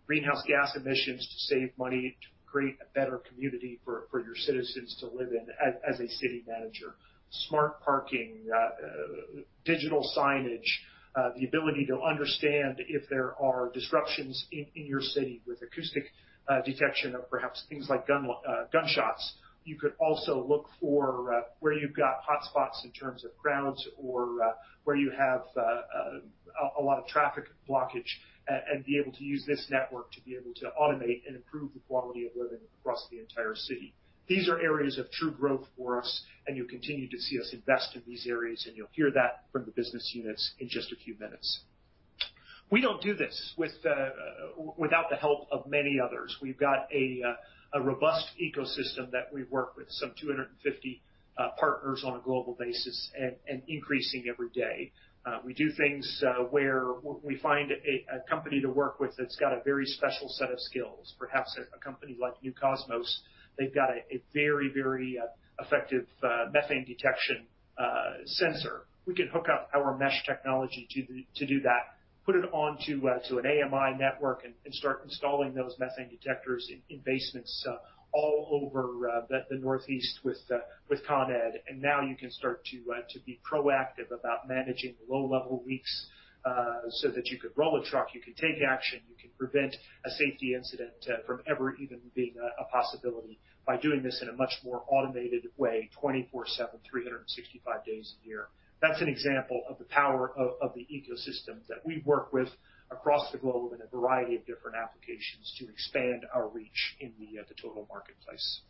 greenhouse gas emissions, to save money, to create a better community for your citizens to live in as a city manager. Smart parking, digital signage, the ability to understand if there are disruptions in your city with acoustic detection of perhaps things like gunshots. You could also look for where you've got hotspots in terms of crowds or where you have a lot of traffic blockage and be able to use this network to be able to automate and improve the quality of living across the entire city. These are areas of true growth for us, and you'll continue to see us invest in these areas, and you'll hear that from the business units in just a few minutes. We don't do this without the help of many others. We've got a robust ecosystem that we work with some 250 partners on a global basis and increasing every day. We do things where we find a company to work with that's got a very special set of skills. Perhaps a company like New Cosmos, they've got a very effective methane detection sensor. We can hook up our mesh technology to do that, put it onto an AMI network, and start installing those methane detectors in basements all over the Northeast with Con Ed. Now you can start to be proactive about managing low-level leaks so that you could roll a truck, you can take action, you can prevent a safety incident from ever even being a possibility by doing this in a much more automated way, 24/7, 365 days a year. That's an example of the power of the ecosystems that we work with across the globe in a variety of different applications to expand our reach in the total marketplace.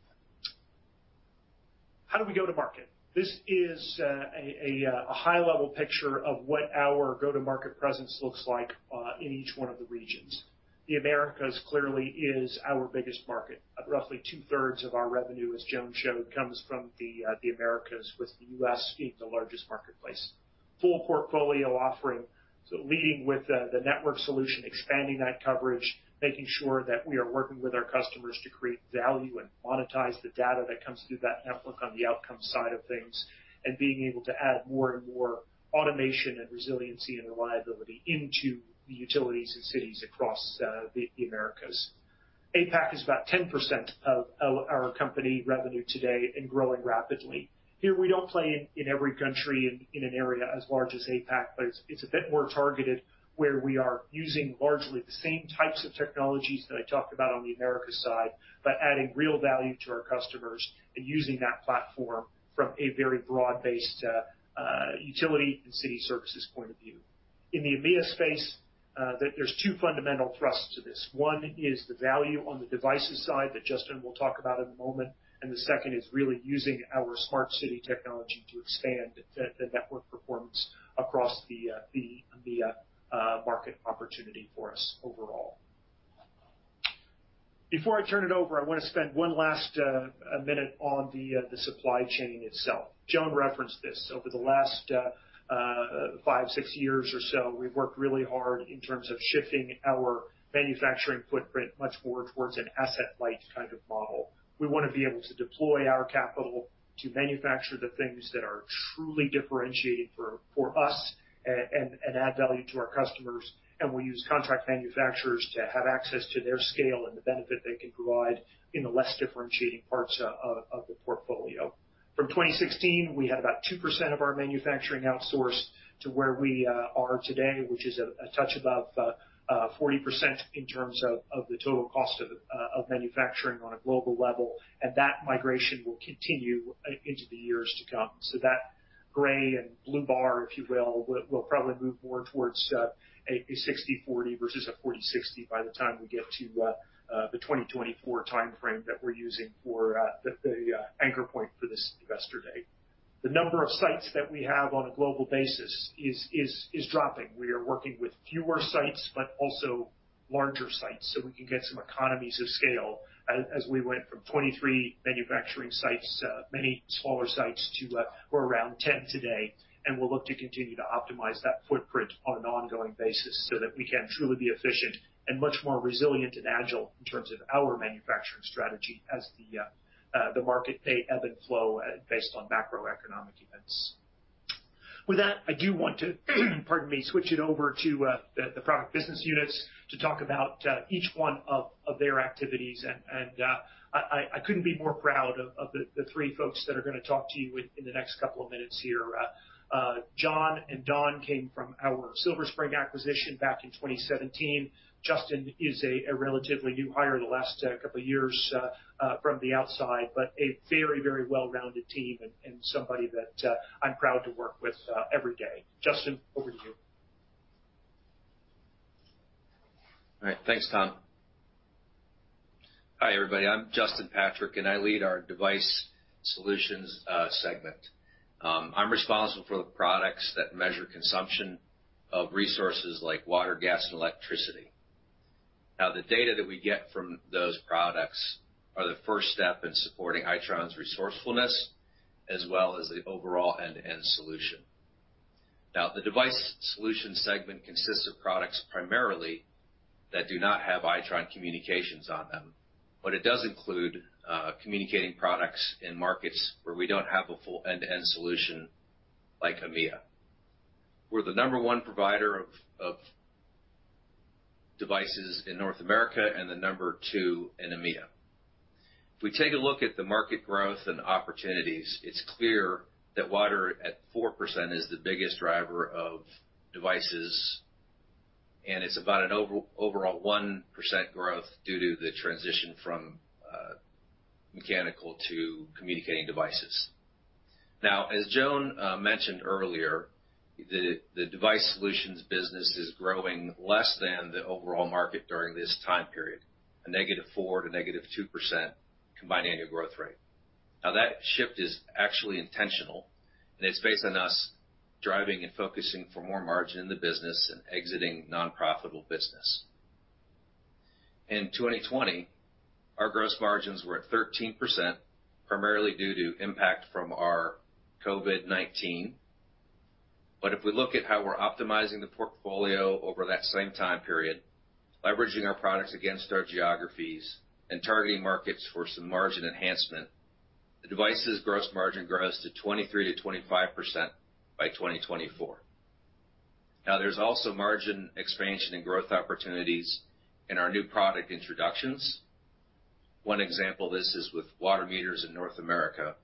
How do we go to market? This is a high-level picture of what our go-to-market presence looks like in each one of the regions. The Americas clearly is our biggest market. Roughly 2/3 Of our revenue, as Joan showed, comes from the Americas, with the U.S. being the largest marketplace. Full portfolio offering, so leading with the Networked Solutions, expanding that coverage, making sure that we are working with our customers to create value and monetize the data that comes through that network on the outcome side of things, and being able to add more and more automation and resiliency and reliability into the utilities and cities across the Americas. APAC is about 10% of our company revenue today and growing rapidly. Here we don't play in every country in an area as large as APAC, but it's a bit more targeted, where we are using largely the same types of technologies that I talked about on the Americas side, but adding real value to our customers and using that platform from a very broad-based utility and city services point of view. In the EMEIA space, there's two fundamental thrusts to this. One is the value on the devices side that Justin will talk about in a moment, and the second is really using our smart city technology to expand the network performance across the EMEIA market opportunity for us overall. Before I turn it over, I want to spend one last minute on the supply chain itself. Joan referenced this. Over the last five, six years or so, we've worked really hard in terms of shifting our manufacturing footprint much more towards an asset-light kind of model. We want to be able to deploy our capital to manufacture the things that are truly differentiating for us and add value to our customers. We use contract manufacturers to have access to their scale and the benefit they can provide in the less differentiating parts of the portfolio. From 2016, we had about 2% of our manufacturing outsourced to where we are today, which is a touch above 40% in terms of the total cost of manufacturing on a global level, and that migration will continue into the years to come. That gray and blue bar, if you will probably move more towards a 60-40 versus a 40-60 by the time we get to the 2024 timeframe that we're using for the anchor point for this Investor Day. The number of sites that we have on a global basis is dropping. We are working with fewer sites, but also larger sites, so we can get some economies of scale as we went from 23 manufacturing sites, many smaller sites, to we're around 10 today, and we'll look to continue to optimize that footprint on an ongoing basis so that we can truly be efficient and much more resilient and agile in terms of our manufacturing strategy as the market ebb and flow based on macroeconomic events. With that, I do want to pardon me, switch it over to the product business units to talk about each one of their activities. I couldn't be more proud of the three folks that are going to talk to you in the next couple of minutes here. John and Don came from our Silver Spring Networks acquisition back in 2017. Justin is a relatively new hire in the last couple of years from the outside, but a very well-rounded team and somebody that I'm proud to work with every day. Justin, over to you. All right. Thanks, Tom. Hi, everybody. I'm Justin Patrick, and I lead our Device Solutions segment. I'm responsible for the products that measure consumption of resources like water, gas, and electricity. Now, the data that we get from those products are the first step in supporting Itron's resourcefulness, as well as the overall end-to-end solution. Now, the Device Solutions segment consists of products primarily that do not have Itron communications on them, but it does include communicating products in markets where we don't have a full end-to-end solution, like EMEA. We're the number one provider of devices in North America and the number two in EMEA. If we take a look at the market growth and opportunities, it's clear that water at 4% is the biggest driver of devices, and it's about an overall 1% growth due to the transition from mechanical to communicating devices. As Joan mentioned earlier, the Device Solutions business is growing less than the overall market during this time period, a -4% to -2% combined annual growth rate. That shift is actually intentional, and it's based on us driving and focusing for more margin in the business and exiting non-profitable business. In 2020, our gross margins were at 13%, primarily due to impact from our COVID-19. If we look at how we're optimizing the portfolio over that same time period, leveraging our products against our geographies and targeting markets for some margin enhancement, the devices gross margin grows to 23%-25% by 2024. There's also margin expansion and growth opportunities in our new product introductions. One example of this is with water meters in North America,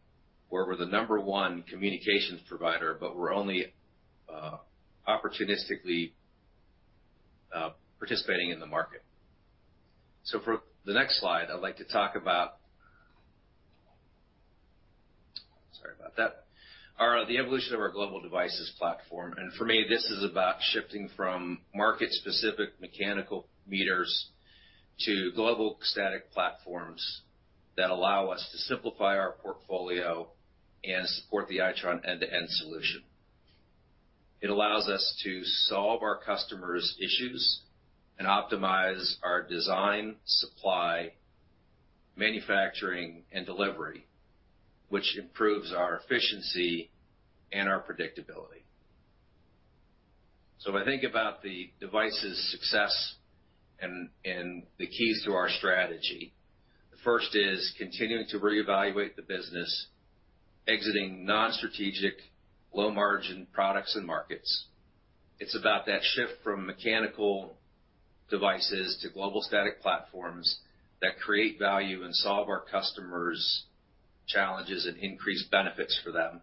where we're the number one communications provider, but we're only opportunistically participating in the market. For the next slide, I'd like to talk about the evolution of our global devices platform. For me, this is about shifting from market-specific mechanical meters to global static platforms that allow us to simplify our portfolio and support the Itron end-to-end solution. It allows us to solve our customers' issues and optimize our design, supply, manufacturing, and delivery, which improves our efficiency and our predictability. When I think about the devices' success and the keys to our strategy, the first is continuing to reevaluate the business, exiting non-strategic, low-margin products and markets. It's about that shift from mechanical devices to global static platforms that create value and solve our customers' challenges and increase benefits for them.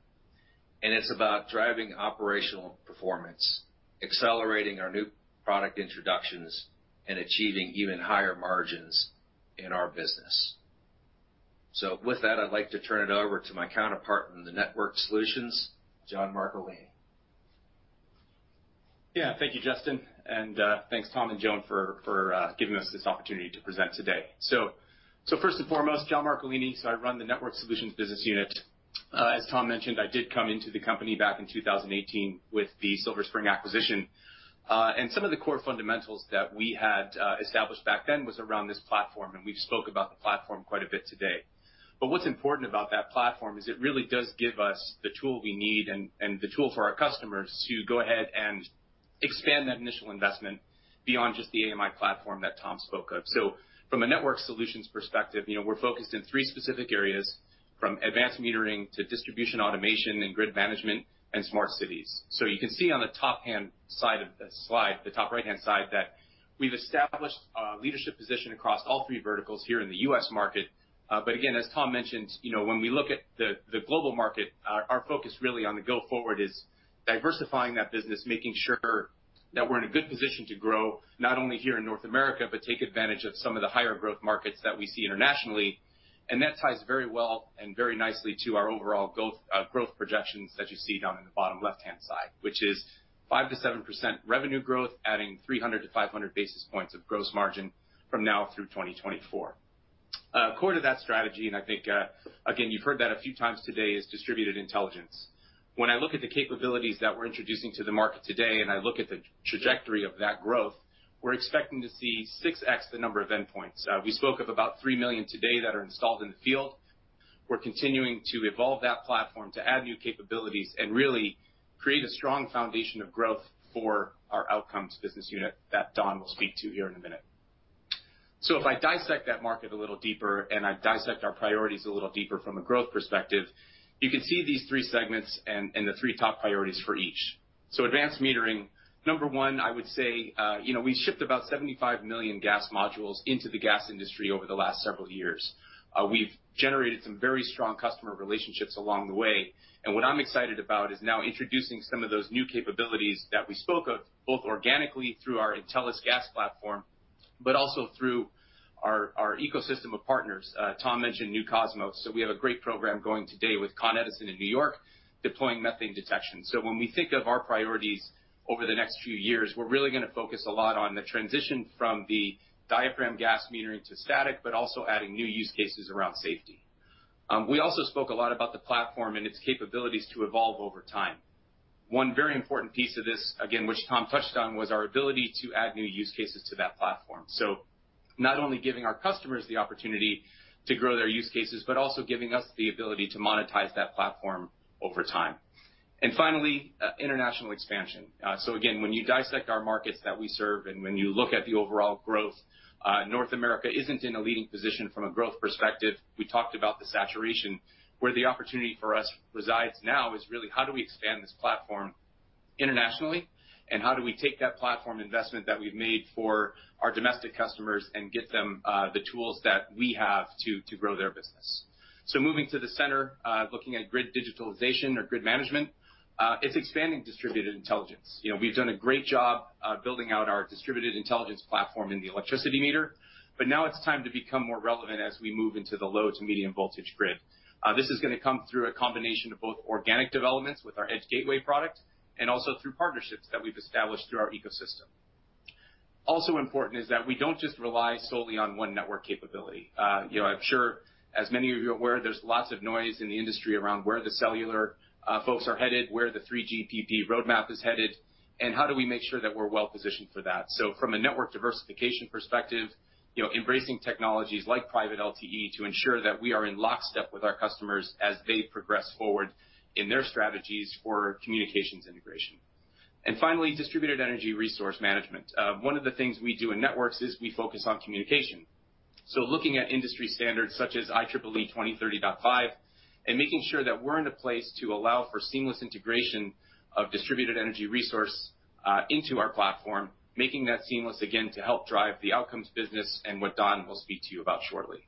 It's about driving operational performance, accelerating our new product introductions, and achieving even higher margins in our business. With that, I'd like to turn it over to my counterpart in the Networked Solutions, John Marcolini. Thank you, Justin. Thanks, Tom and Joan for giving us this opportunity to present today. First and foremost, John Marcolini. I run the Network Solutions business unit. As Tom mentioned, I did come into the company back in 2018 with the Silver Spring acquisition. Some of the core fundamentals that we had established back then was around this platform, and we've spoke about the platform quite a bit today. What's important about that platform is it really does give us the tool we need and the tool for our customers to go ahead and expand that initial investment beyond just the AMI platform that Tom spoke of. From a Network Solutions perspective, we're focused in three specific areas, from advanced metering to distribution automation and grid management and smart cities. You can see on the top hand side of the slide, the top right-hand side, that we've established a leadership position across all three verticals here in the U.S. market. Again, as Tom mentioned, when we look at the global market, our focus really on the go forward is diversifying that business, making sure that we're in a good position to grow, not only here in North America, but take advantage of some of the higher growth markets that we see internationally. That ties very well and very nicely to our overall growth projections that you see down in the bottom left-hand side, which is 5%-7% revenue growth, adding 300-500 basis points of gross margin from now through 2024. Core to that strategy, I think, again, you've heard that a few times today, is distributed intelligence. When I look at the capabilities that we're introducing to the market today, and I look at the trajectory of that growth, we're expecting to see 6X the number of endpoints. We spoke of about 3 million today that are installed in the field. We're continuing to evolve that platform to add new capabilities and really create a strong foundation of growth for our Outcomes business unit that Don will speak to here in a minute. If I dissect that market a little deeper, and I dissect our priorities a little deeper from a growth perspective, you can see these three segments and the three top priorities for each. Advanced Metering, number one, I would say, we shipped about 75 million gas modules into the gas industry over the last several years. What I'm excited about is now introducing some of those new capabilities that we spoke of, both organically through our Intelis gas platform, but also through our ecosystem of partners. Tom mentioned New Cosmos. We have a great program going today with Con Edison in New York, deploying methane detection. When we think of our priorities over the next few years, we're really going to focus a lot on the transition from the diaphragm gas metering to static, also adding new use cases around safety. We also spoke a lot about the platform and its capabilities to evolve over time. One very important piece of this, again, which Tom touched on, was our ability to add new use cases to that platform. Not only giving our customers the opportunity to grow their use cases, but also giving us the ability to monetize that platform over time. Finally, international expansion. Again, when you dissect our markets that we serve and when you look at the overall growth, North America isn't in a leading position from a growth perspective. We talked about the saturation. Where the opportunity for us resides now is really how do we expand this platform internationally, and how do we take that platform investment that we've made for our domestic customers and get them the tools that we have to grow their business? Moving to the center, looking at grid digitalization or grid management, it's expanding distributed intelligence. We've done a great job building out our distributed intelligence platform in the electricity meter. Now it's time to become more relevant as we move into the low to medium voltage grid. This is going to come through a combination of both organic developments with our Edge Gateway product and also through partnerships that we've established through our ecosystem. Also important is that we don't just rely solely on one network capability. I'm sure as many of you are aware, there's lots of noise in the industry around where the cellular folks are headed, where the 3GPP roadmap is headed, and how do we make sure that we're well-positioned for that. From a network diversification perspective, embracing technologies like private LTE to ensure that we are in lockstep with our customers as they progress forward in their strategies for communications integration. Finally, distributed energy resource management. One of the things we do in networks is we focus on communication. Looking at industry standards such as IEEE 2030.5 and making sure that we're in a place to allow for seamless integration of distributed energy resource into our platform, making that seamless, again, to help drive the Outcomes business and what Don will speak to you about shortly.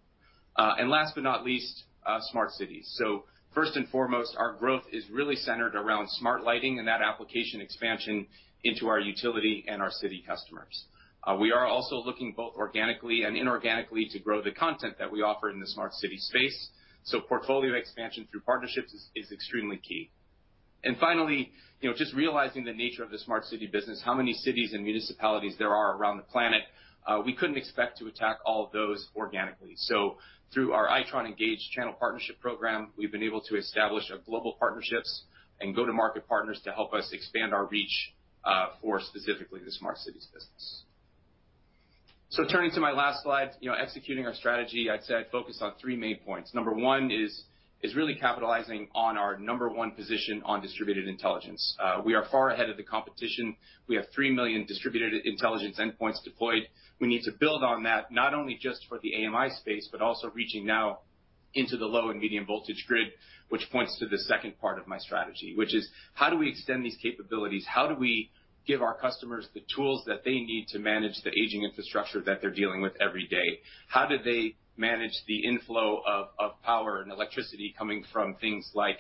Last but not least, smart cities. First and foremost, our growth is really centered around smart lighting and that application expansion into our utility and our city customers. We are also looking both organically and inorganically to grow the content that we offer in the smart city space. Portfolio expansion through partnerships is extremely key. Finally, just realizing the nature of the smart city business, how many cities and municipalities there are around the planet, we couldn't expect to attack all of those organically. Through our Itron Engage channel partnership program, we've been able to establish global partnerships and go-to-market partners to help us expand our reach, for specifically the smart cities business. Turning to my last slide, executing our strategy, I would say I would focus on three main points. Number one is really capitalizing on our number one position on distributed intelligence. We are far ahead of the competition. We have 3 million distributed intelligence endpoints deployed. We need to build on that, not only just for the AMI space, but also reaching now into the low and medium voltage grid, which points to the second part of my strategy, which is how do we extend these capabilities? How do we give our customers the tools that they need to manage the aging infrastructure that they're dealing with every day? How do they manage the inflow of power and electricity coming from things like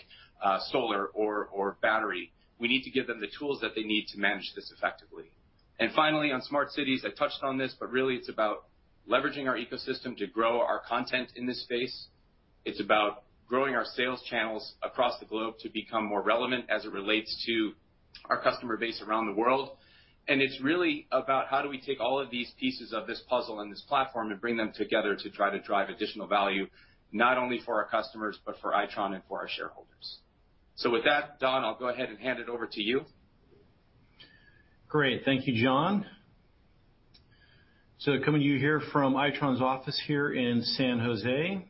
solar or battery? We need to give them the tools that they need to manage this effectively. Finally, on smart cities, I touched on this, but really it's about leveraging our ecosystem to grow our content in this space. It's about growing our sales channels across the globe to become more relevant as it relates to our customer base around the world. It's really about how do we take all of these pieces of this puzzle and this platform and bring them together to try to drive additional value, not only for our customers, but for Itron and for our shareholders. With that, Don, I'll go ahead and hand it over to you. Great. Thank you, John. Coming to you here from Itron's office here in San Jose.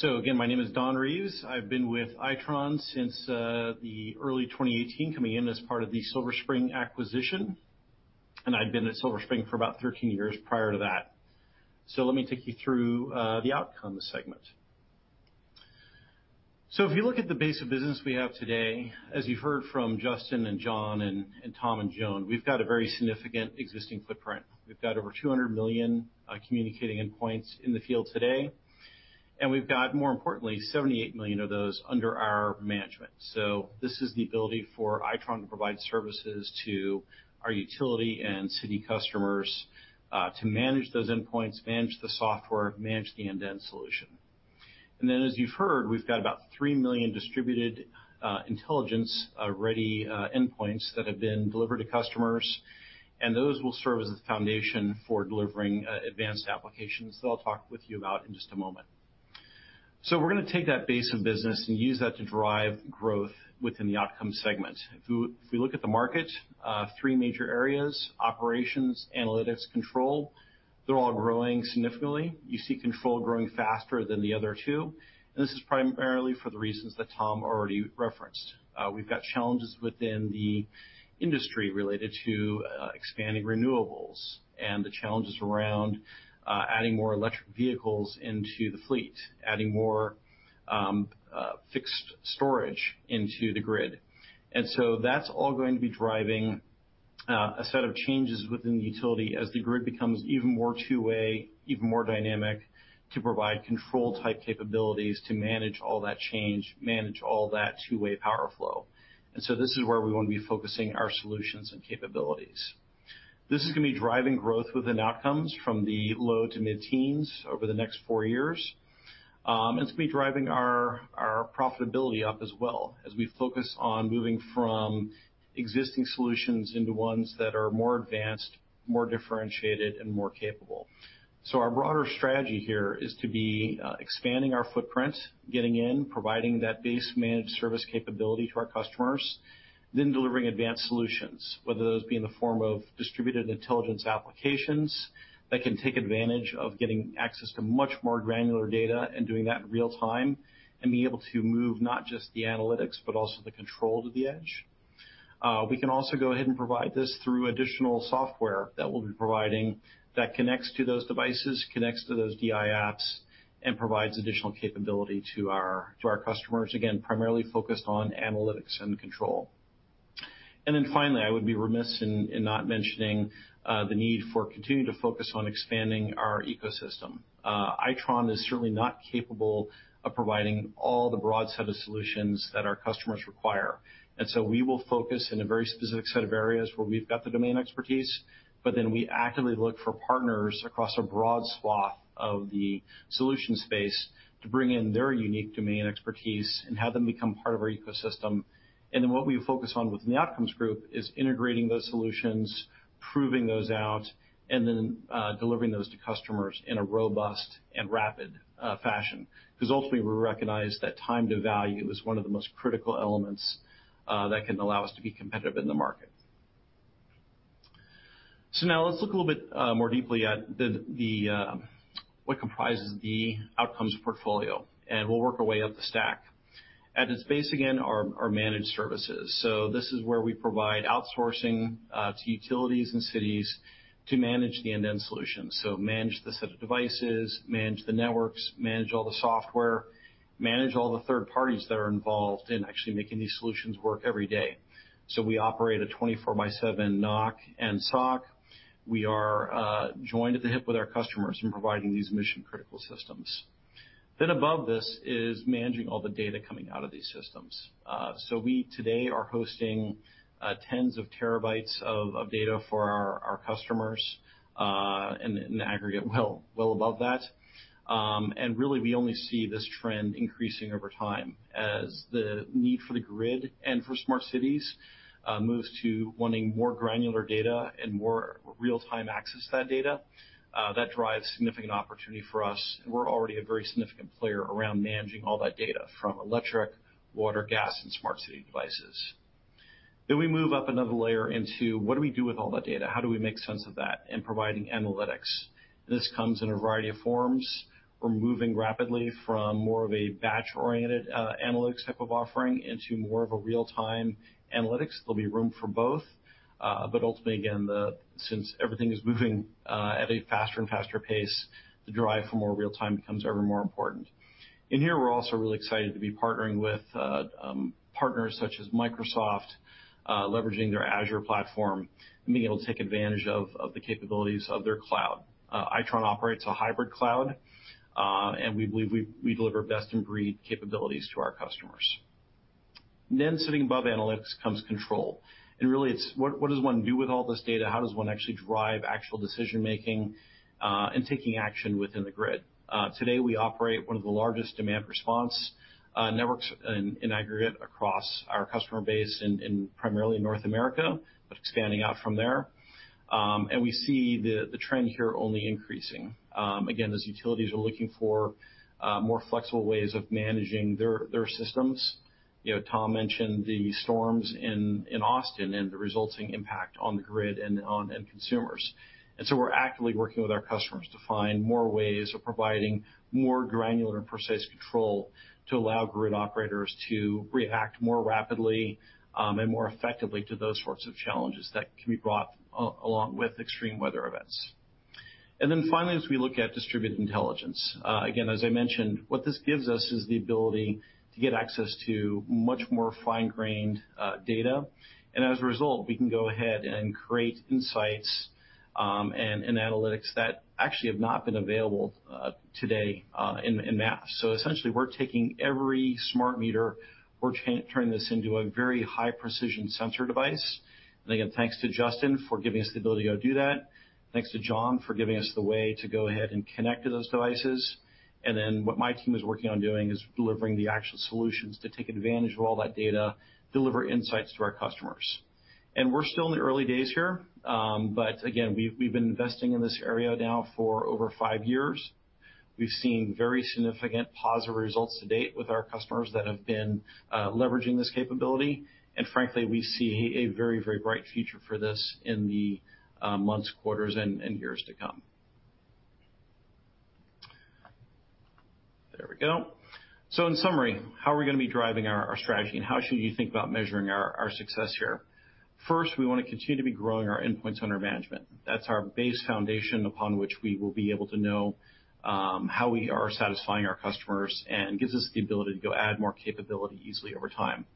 Again, my name is Don Reeves. I've been with Itron since the early 2018, coming in as part of the Silver Spring acquisition. I'd been at Silver Spring for about 13 years prior to that. Let me take you through the Outcomes segment. If you look at the base of business we have today, as you've heard from Justin and John and Tom and Joan, we've got a very significant existing footprint. We've got over 200 million communicating endpoints in the field today, and we've got, more importantly, 78 million of those under our management. This is the ability for Itron to provide services to our utility and city customers, to manage those endpoints, manage the software, manage the end-to-end solution. As you've heard, we've got about 3 million distributed intelligence-ready endpoints that have been delivered to customers, and those will serve as the foundation for delivering advanced applications that I'll talk with you about in just a moment. We're going to take that base of business and use that to drive growth within the Outcomes segment. If we look at the market, three major areas, operations, analytics, control, they're all growing significantly. You see control growing faster than the other two, and this is primarily for the reasons that Tom already referenced. We've got challenges within the industry related to expanding renewables and the challenges around adding more electric vehicles into the fleet, adding more fixed storage into the grid. That's all going to be driving a set of changes within the utility as the grid becomes even more two-way, even more dynamic to provide control-type capabilities to manage all that change, manage all that two-way power flow. This is where we want to be focusing our solutions and capabilities. This is going to be driving growth within Outcomes from the low to mid-teens over the next four years. It's going to be driving our profitability up as well as we focus on moving from existing solutions into ones that are more advanced, more differentiated, and more capable. Our broader strategy here is to be expanding our footprint, getting in, providing that base managed service capability to our customers, then delivering advanced solutions, whether those be in the form of distributed intelligence applications that can take advantage of getting access to much more granular data and doing that in real time and be able to move not just the analytics, but also the control to the edge. We can also go ahead and provide this through additional software that we'll be providing that connects to those devices, connects to those DI apps, and provides additional capability to our customers, again, primarily focused on analytics and control. Finally, I would be remiss in not mentioning the need for continuing to focus on expanding our ecosystem. Itron is certainly not capable of providing all the broad set of solutions that our customers require. We will focus in a very specific set of areas where we've got the domain expertise, but then we actively look for partners across a broad swath of the solution space to bring in their unique domain expertise and have them become part of our ecosystem. What we focus on within the Outcomes group is integrating those solutions, proving those out, and then delivering those to customers in a robust and rapid fashion. Ultimately, we recognize that time to value is one of the most critical elements that can allow us to be competitive in the market. Now let's look a little bit more deeply at what comprises the Outcomes portfolio, and we'll work our way up the stack. At its base, again, are managed services. This is where we provide outsourcing to utilities and cities to manage the end-to-end solutions. Manage the set of devices, manage the networks, manage all the software, manage all the third parties that are involved in actually making these solutions work every day. We operate a 24/7 NOC and SOC. We are joined at the hip with our customers in providing these mission-critical systems. Above this is managing all the data coming out of these systems. We today are hosting tens of terabytes of data for our customers, in aggregate, well above that. Really, we only see this trend increasing over time as the need for the grid and for smart cities moves to wanting more granular data and more real-time access to that data. That drives significant opportunity for us, and we're already a very significant player around managing all that data from electric, water, gas, and smart city devices. We move up another layer into what do we do with all that data? How do we make sense of that in providing analytics? This comes in a variety of forms. We're moving rapidly from more of a batch-oriented analytics type of offering into more of a real-time analytics. There'll be room for both. Ultimately, again, since everything is moving at a faster and faster pace, the drive for more real-time becomes ever more important. In here, we're also really excited to be partnering with partners such as Microsoft, leveraging their Azure platform and being able to take advantage of the capabilities of their cloud. Itron operates a hybrid cloud. We believe we deliver best-in-breed capabilities to our customers. Sitting above analytics comes control, and really it's what does one do with all this data? How does one actually drive actual decision-making and taking action within the grid? Today, we operate one of the largest demand response networks in aggregate across our customer base in primarily North America, but expanding out from there. We see the trend here only increasing. Again, as utilities are looking for more flexible ways of managing their systems. Tom mentioned the storms in Austin and the resulting impact on the grid and on end consumers. We are actively working with our customers to find more ways of providing more granular and precise control to allow grid operators to react more rapidly and more effectively to those sorts of challenges that can be brought along with extreme weather events. Finally, as we look at distributed intelligence, again, as I mentioned, what this gives us is the ability to get access to much more fine-grained data. As a result, we can go ahead and create insights and analytics that actually have not been available today in mass. Essentially, we are taking every smart meter, we are turning this into a very high-precision sensor device. Again, thanks to Justin for giving us the ability to go do that. Thanks to John for giving us the way to go ahead and connect to those devices. Then what my team is working on doing is delivering the actual solutions to take advantage of all that data, deliver insights to our customers. We're still in the early days here. Again, we've been investing in this area now for over five years. We've seen very significant positive results to date with our customers that have been leveraging this capability. Frankly, we see a very bright future for this in the months, quarters, and years to come. There we go. In summary, how are we going to be driving our strategy, and how should you think about measuring our success here? First, we want to continue to be growing our endpoints under management. That's our base foundation upon which we will be able to know how we are satisfying our customers and gives us the ability to go add more capability easily over time.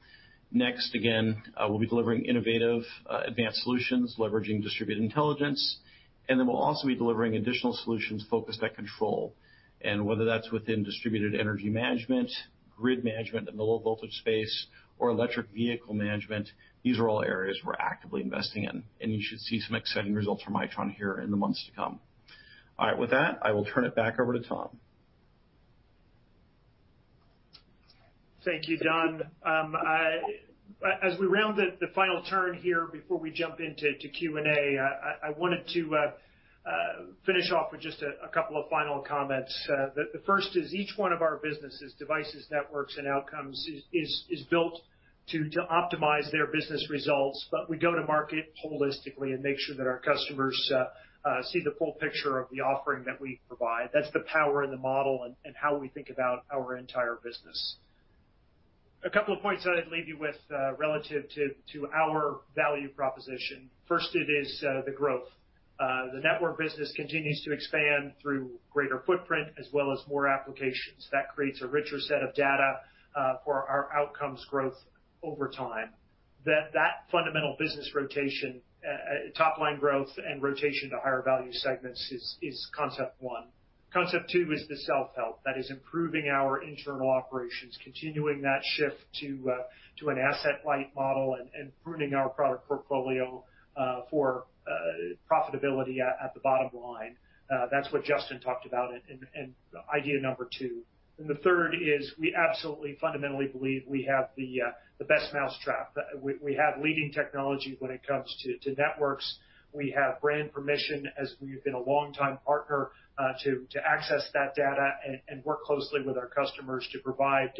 Again, we'll be delivering innovative, advanced solutions, leveraging distributed intelligence. We'll also be delivering additional solutions focused at control. Whether that's within distributed energy management, grid management in the low voltage space, or electric vehicle management, these are all areas we're actively investing in. You should see some exciting results from Itron here in the months to come. All right. With that, I will turn it back over to Tom. Thank you, Don. As we round the final turn here, before we jump into Q&A, I wanted to finish off with just a couple of final comments. The first is each one of our businesses, devices, networks, and outcomes, is built to optimize their business results. We go to market holistically and make sure that our customers see the full picture of the offering that we provide. That's the power in the model and how we think about our entire business. A couple of points that I'd leave you with relative to our value proposition. First, it is the growth. The network business continues to expand through greater footprint as well as more applications. That creates a richer set of data for our outcomes growth over time. That fundamental business rotation, top-line growth and rotation to higher value segments is concept one. Concept two is the self-help, that is improving our internal operations, continuing that shift to an asset-light model, and pruning our product portfolio for profitability at the bottom line. That's what Justin talked about and idea number two. The third is we absolutely fundamentally believe we have the best mousetrap. We have leading technology when it comes to networks. We have brand permission as we've been a long-time partner to access that data and work closely with our customers to provide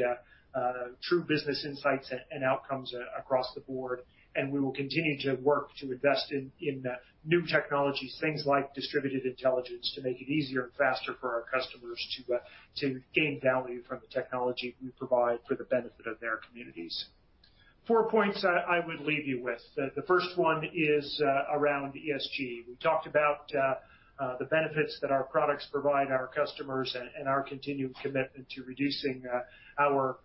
true business insights and outcomes across the board. We will continue to work to invest in new technologies, things like distributed intelligence, to make it easier and faster for our customers to gain value from the technology we provide for the benefit of their communities. Four points I would leave you with. The first one is around ESG. We talked about the benefits that our products provide our customers and our continued commitment to reducing our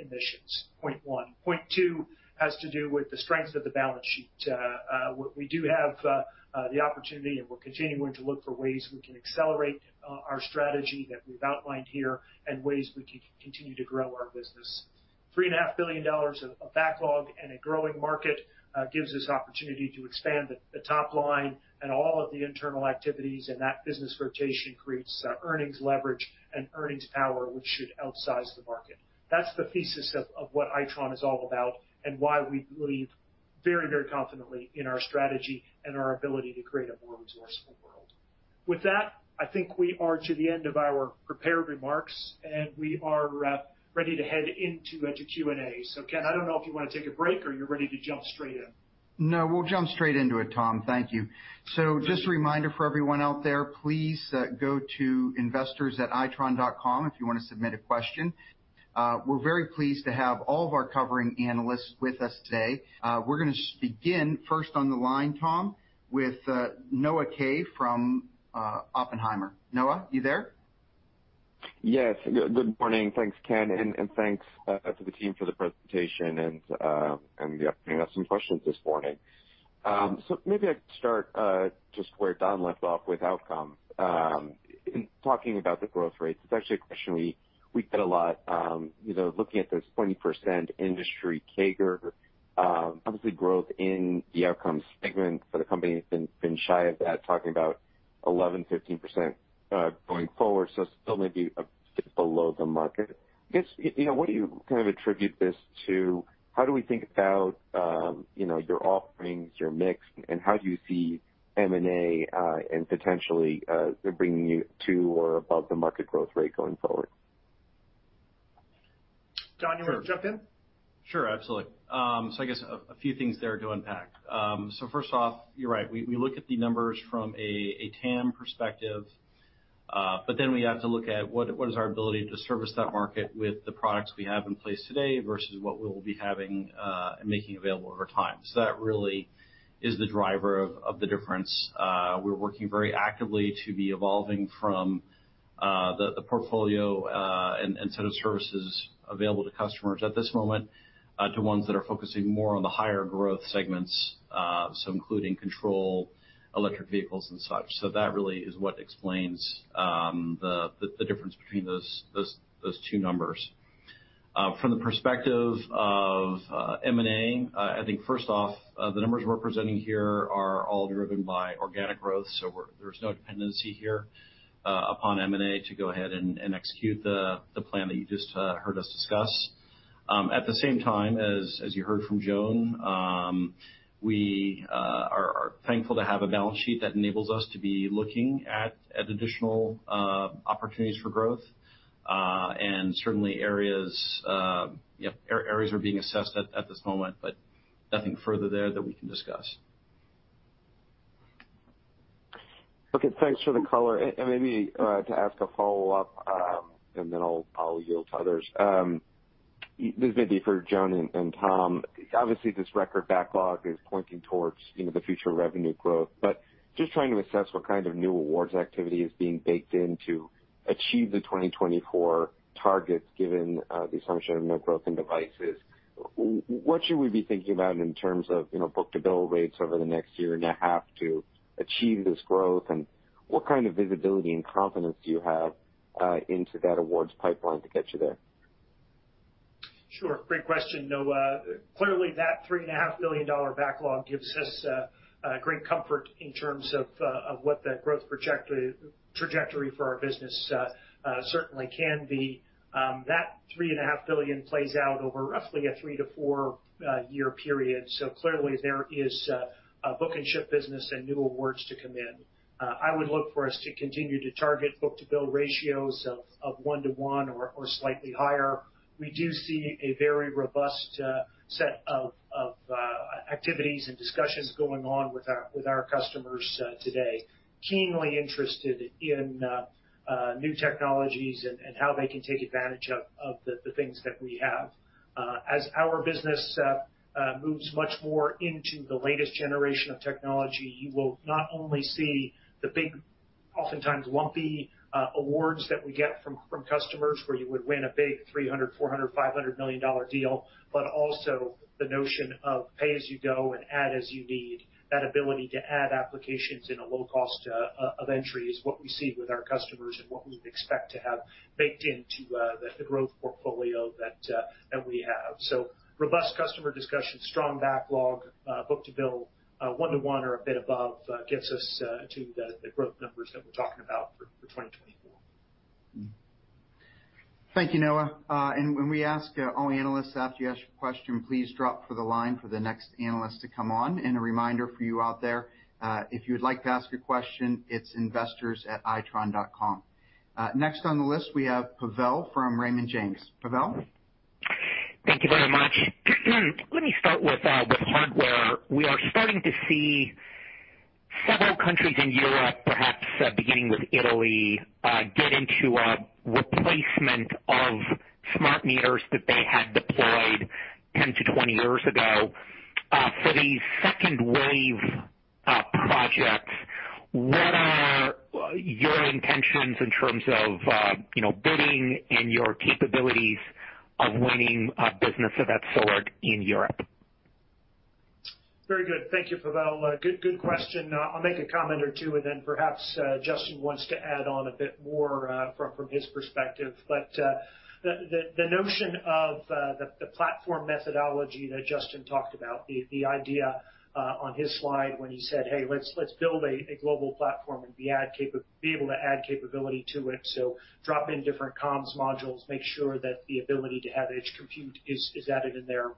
emissions. Point one. Point two has to do with the strength of the balance sheet. We do have the opportunity, and we're continuing to look for ways we can accelerate our strategy that we've outlined here and ways we can continue to grow our business. $3.5 billion of backlog and a growing market gives us opportunity to expand the top line and all of the internal activities, and that business rotation creates earnings leverage and earnings power, which should outsize the market. That's the thesis of what Itron is all about and why we believe very confidently in our strategy and our ability to create a more resourceful world. With that, I think we are to the end of our prepared remarks, and we are ready to head into Q&A. Ken, I don't know if you want to take a break or you're ready to jump straight in. No, we'll jump straight into it, Tom. Thank you. Just a reminder for everyone out there, please go to investors@itron.com if you want to submit a question. We're very pleased to have all of our covering analysts with us today. We're going to begin first on the line, Tom, with Noah Kaye from Oppenheimer. Noah, you there? Yes. Good morning. Thanks, Ken, and thanks to the team for the presentation and the opportunity to ask some questions this morning. Maybe I could start just where Don left off with Outcomes. In talking about the growth rates, it's actually a question we get a lot. Looking at this 20% industry CAGR, obviously growth in the Outcomes segment for the company has been shy of that, talking about 11%-15% going forward. Still maybe a bit below the market. I guess, what do you attribute this to? How do we think about your offerings, your mix, and how do you see M&A and potentially bringing you to or above the market growth rate going forward? Don, you want to jump in? Sure, absolutely. I guess a few things there to unpack. First off, you're right. We look at the numbers from a TAM perspective, but then we have to look at what is our ability to service that market with the products we have in place today versus what we'll be having and making available over time. That really is the driver of the difference. We're working very actively to be evolving from the portfolio and set of services available to customers at this moment to ones that are focusing more on the higher growth segments, so including control, electric vehicles and such. That really is what explains the difference between those two numbers. From the perspective of M&A, I think first off, the numbers we're presenting here are all driven by organic growth. There's no dependency here upon M&A to go ahead and execute the plan that you just heard us discuss. At the same time, as you heard from Joan, we are thankful to have a balance sheet that enables us to be looking at additional opportunities for growth. Certainly areas are being assessed at this moment, but nothing further there that we can discuss. Okay, thanks for the color. Maybe to ask a follow-up, then I'll yield to others. This may be for Joan and Tom. Obviously, this record backlog is pointing towards the future revenue growth. Just trying to assess what kind of new awards activity is being baked in to achieve the 2024 targets, given the assumption of no growth in devices. What should we be thinking about in terms of book-to-bill rates over the next year and a half to achieve this growth? What kind of visibility and confidence do you have into that awards pipeline to get you there? Sure. Great question, Noah. Clearly that $3.5 billion backlog gives us great comfort in terms of what the growth trajectory for our business certainly can be. That $3.5 billion plays out over roughly a three to four-year period. Clearly there is a book and ship business and new awards to come in. I would look for us to continue to target book-to-bill ratios of 1:1 or slightly higher. We do see a very robust set of activities and discussions going on with our customers today, keenly interested in new technologies and how they can take advantage of the things that we have. As our business moves much more into the latest generation of technology, you will not only see the big, oftentimes lumpy, awards that we get from customers, where you would win a big $300, $400, $500 million deal, but also the notion of pay as you go and add as you need. That ability to add applications in a low cost of entry is what we see with our customers and what we would expect to have baked into the growth portfolio that we have. Robust customer discussions, strong backlog, book-to-bill, 1:1 or a bit above gets us to the growth numbers that we're talking about for 2024. Thank you, Noah. When we ask all analysts after you ask your question, please drop from the line for the next analyst to come on. A reminder for you out there, if you'd like to ask a question, it's investors@itron.com. Next on the list, we have Pavel from Raymond James. Pavel? Thank you very much. Let me start with hardware. We are starting to see several countries in Europe, perhaps beginning with Italy, get into a replacement of smart meters that they had deployed 10 to 20 years ago. For these second-wave projects, what are your intentions in terms of bidding and your capabilities of winning business of that sort in Europe? Very good. Thank you, Pavel. Good question. I'll make a comment or two, and then perhaps Justin wants to add on a bit more from his perspective. The notion of the platform methodology that Justin talked about, the idea on his slide when he said, "Hey, let's build a global platform and be able to add capability to it." Drop in different comms modules, make sure that the ability to have edge compute is added in there.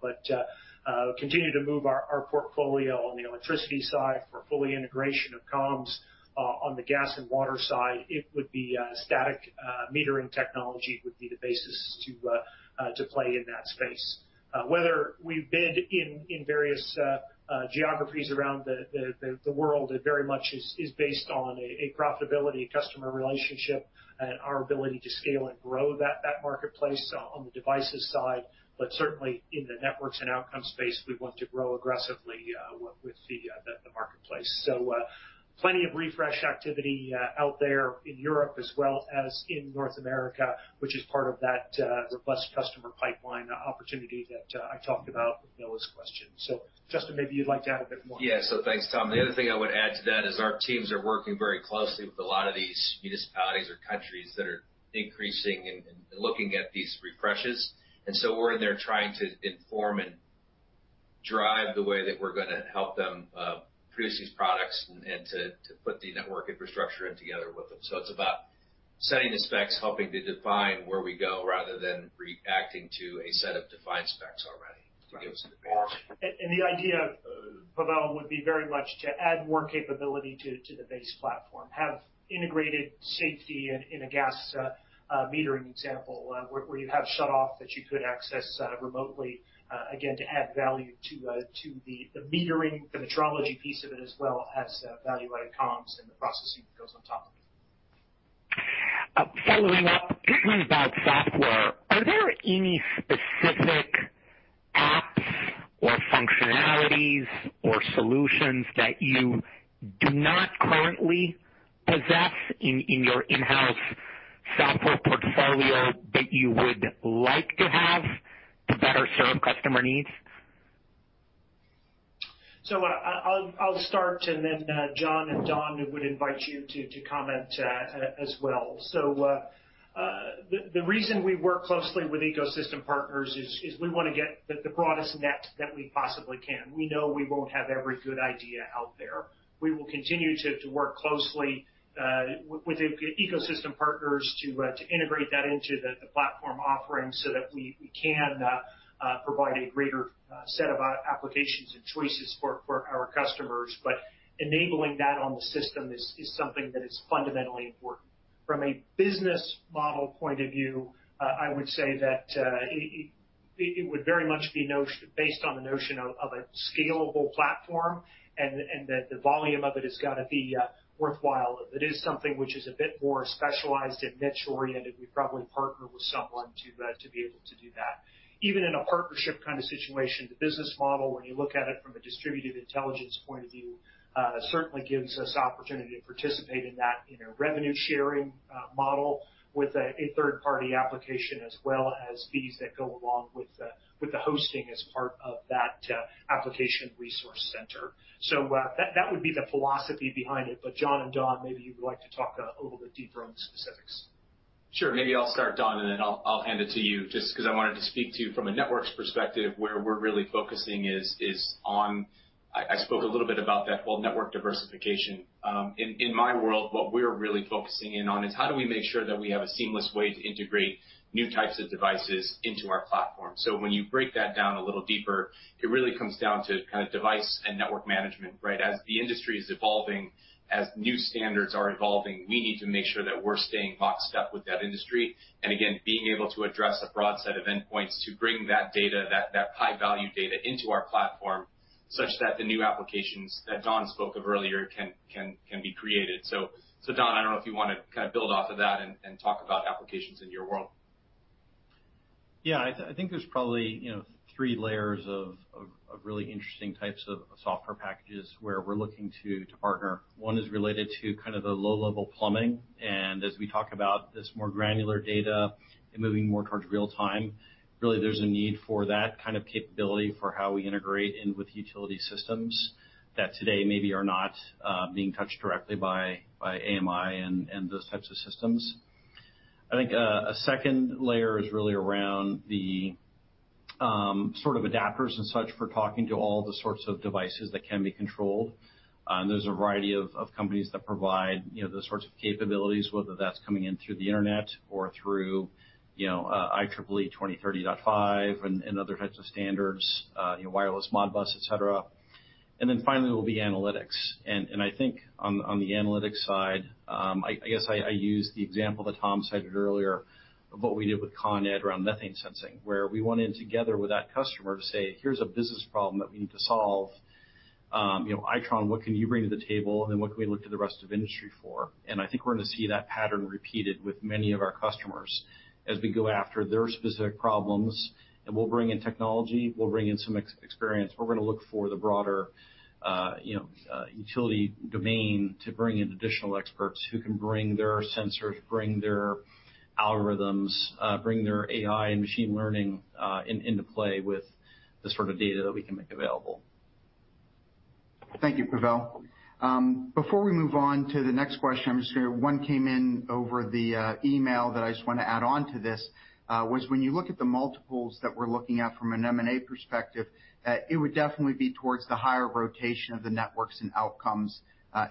Continue to move our portfolio on the electricity side for full integration of comms. On the gas and water side, it would be static metering technology would be the basis to play in that space. Whether we bid in various geographies around the world, it very much is based on a profitability, customer relationship, and our ability to scale and grow that marketplace on the devices side. Certainly in the networks and outcome space, we want to grow aggressively with the marketplace. Plenty of refresh activity out there in Europe as well as in North America, which is part of that robust customer pipeline opportunity that I talked about with Noah's question. Justin, maybe you'd like to add a bit more. Yeah. Thanks, Tom. The other thing I would add to that is our teams are working very closely with a lot of these municipalities or countries that are increasing and looking at these refreshes. We're in there trying to inform and drive the way that we're going to help them produce these products and to put the network infrastructure in together with them. It's about setting the specs, helping to define where we go rather than reacting to a set of defined specs already, to give us an advantage. The idea, Pavel, would be very much to add more capability to the base platform. Have integrated safety in a gas metering example, where you have shutoff that you could access remotely, again, to add value to the metering, the metrology piece of it, as well as value-added comms and the processing that goes on top of it. Following up about software, are there any specific apps or functionalities or solutions that you do not currently possess in your in-house software portfolio that you would like to have to better serve customer needs? I'll start, and then John and Don, would invite you to comment as well. The reason we work closely with ecosystem partners is we want to get the broadest net that we possibly can. We know we won't have every good idea out there. We will continue to work closely with ecosystem partners to integrate that into the platform offering so that we can provide a greater set of applications and choices for our customers. Enabling that on the system is something that is fundamentally important. From a business model point of view, I would say that it would very much be based on the notion of a scalable platform, and that the volume of it has got to be worthwhile. If it is something which is a bit more specialized and niche-oriented, we'd probably partner with someone to be able to do that. Even in a partnership kind of situation, the business model, when you look at it from a distributed intelligence point of view, certainly gives us opportunity to participate in that in a revenue sharing model with a third-party application, as well as fees that go along with the hosting as part of that application resource center. That would be the philosophy behind it. John and Don, maybe you would like to talk a little bit deeper on the specifics. Sure. Maybe I'll start, Don, and then I'll hand it to you, just because I wanted to speak to you from a networks perspective. Where we're really focusing is on. I spoke a little bit about that whole network diversification. In my world, what we're really focusing in on is how do we make sure that we have a seamless way to integrate new types of devices into our platform? When you break that down a little deeper, it really comes down to device and network management. As the industry is evolving, as new standards are evolving, we need to make sure that we're staying boxed up with that industry. Again, being able to address a broad set of endpoints to bring that high-value data into our platform, such that the new applications that Don spoke of earlier can be created. Don, I don't know if you want to build off of that and talk about applications in your world. Yeah. I think there's probably three layers of really interesting types of software packages where we're looking to partner. One is related to the low-level plumbing, and as we talk about this more granular data and moving more towards real time, really there's a need for that kind of capability for how we integrate in with utility systems that today maybe are not being touched directly by AMI and those types of systems. I think a second layer is really around the adapters and such for talking to all the sorts of devices that can be controlled. There's a variety of companies that provide those sorts of capabilities, whether that's coming in through the internet or through IEEE 2030.5 and other types of standards, wireless Modbus, et cetera. Finally will be analytics. I think on the analytics side, I guess I use the example that Tom cited earlier of what we did with Con Ed around methane sensing, where we went in together with that customer to say, "Here's a business problem that we need to solve. Itron, what can you bring to the table? Then what can we look to the rest of the industry for?" I think we're going to see that pattern repeated with many of our customers as we go after their specific problems. We'll bring in technology, we'll bring in some experience. We're going to look for the broader utility domain to bring in additional experts who can bring their sensors, bring their algorithms, bring their AI and machine learning into play with the sort of data that we can make available. Thank you, Pavel. Before we move on to the next question, one came in over the email that I just want to add on to this, was when you look at the multiples that we're looking at from an M&A perspective, it would definitely be towards the higher rotation of the networks and outcomes.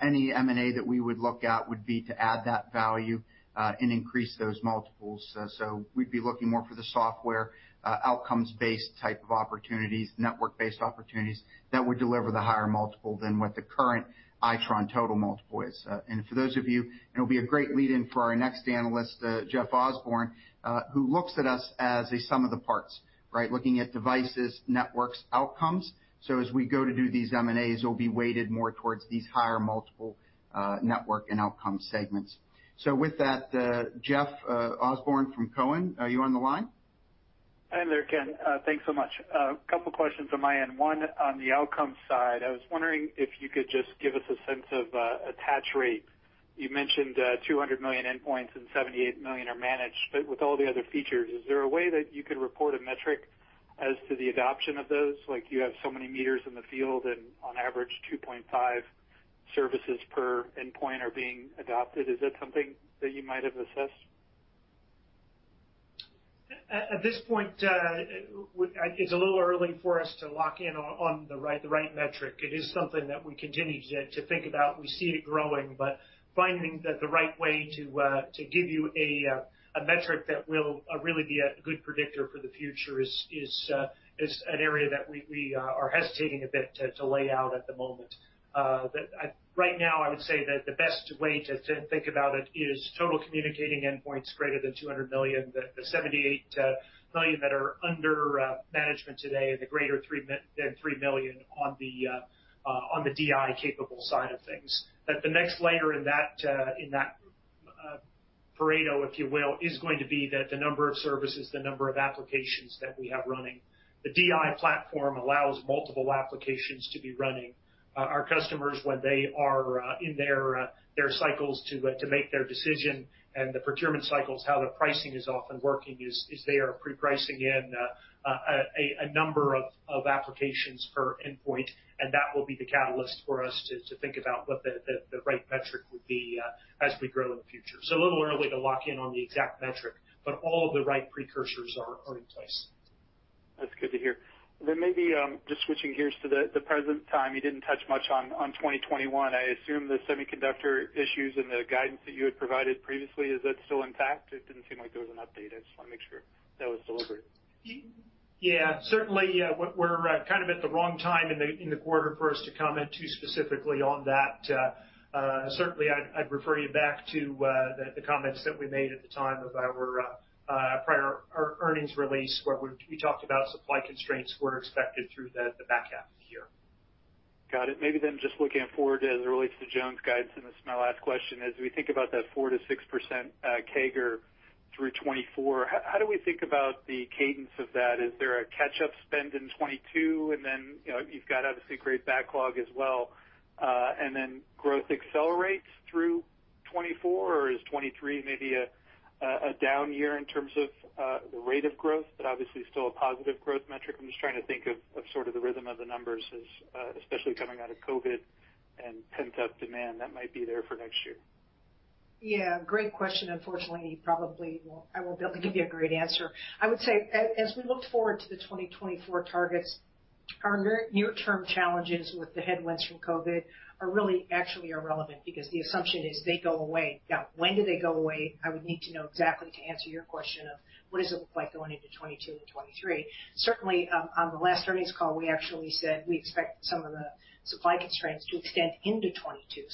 Any M&A that we would look at would be to add that value, and increase those multiples. We'd be looking more for the software, outcomes-based type of opportunities, network-based opportunities that would deliver the higher multiple than what the current Itron total multiple is. For those of you, it'll be a great lead-in for our next analyst, Jeff Osborne, who looks at us as a sum of the parts. Looking at Devices, Networks, Outcomes. As we go to do these M&As, it'll be weighted more towards these higher multiple network and outcome segments. With that, Jeff Osborne from Cowen, are you on the line? Hi there, Ken. Thanks so much. A couple questions on my end. One, on the outcomes side, I was wondering if you could just give us a sense of attach rates. You mentioned 200 million endpoints and 78 million are managed. With all the other features, is there a way that you could report a metric as to the adoption of those? Like you have so many meters in the field, and on average 2.5 services per endpoint are being adopted. Is that something that you might have assessed? At this point, it's a little early for us to lock in on the right metric. It is something that we continue to think about. We see it growing, but finding the right way to give you a metric that will really be a good predictor for the future is an area that we are hesitating a bit to lay out at the moment. Right now, I would say that the best way to think about it is total communicating endpoints greater than 200 million, the 78 million that are under management today, the greater than 3 million on the DI capable side of things. The next layer in that Pareto, if you will, is going to be that the number of services, the number of applications that we have running. The DI platform allows multiple applications to be running. Our customers, when they are in their cycles to make their decision and the procurement cycles, how their pricing is often working is they are pre-pricing in a number of applications per endpoint. That will be the catalyst for us to think about what the right metric would be as we grow in the future. It's a little early to lock in on the exact metric, all of the right precursors are in place. That's good to hear. Maybe just switching gears to the present time, you didn't touch much on 2021. I assume the semiconductor issues and the guidance that you had provided previously, is that still intact? It didn't seem like there was an update. I just want to make sure that was deliberate. Yeah. Certainly, we're kind of at the wrong time in the quarter for us to comment too specifically on that. Certainly, I'd refer you back to the comments that we made at the time of our prior earnings release, where we talked about supply constraints were expected through the back half of the year. Got it. Maybe just looking forward as it relates to Joan Hooper, and this is my last question. As we think about that 4%-6% CAGR through 2024, how do we think about the cadence of that? Is there a catch-up spend in 2022? You've got, obviously, great backlog as well. Growth accelerates through 2024? Is 2023 maybe a down year in terms of the rate of growth, but obviously still a positive growth metric? I'm just trying to think of sort of the rhythm of the numbers, especially coming out of COVID. Pent-up demand that might be there for next year. Yeah, great question. Unfortunately, I won't be able to give you a great answer. I would say, as we look forward to the 2024 targets, our near-term challenges with the headwinds from COVID are really actually irrelevant, because the assumption is they go away. When do they go away? I would need to know exactly to answer your question of what does it look like going into 2022 and 2023. Certainly, on the last earnings call, we actually said we expect some of the supply constraints to extend into 2022.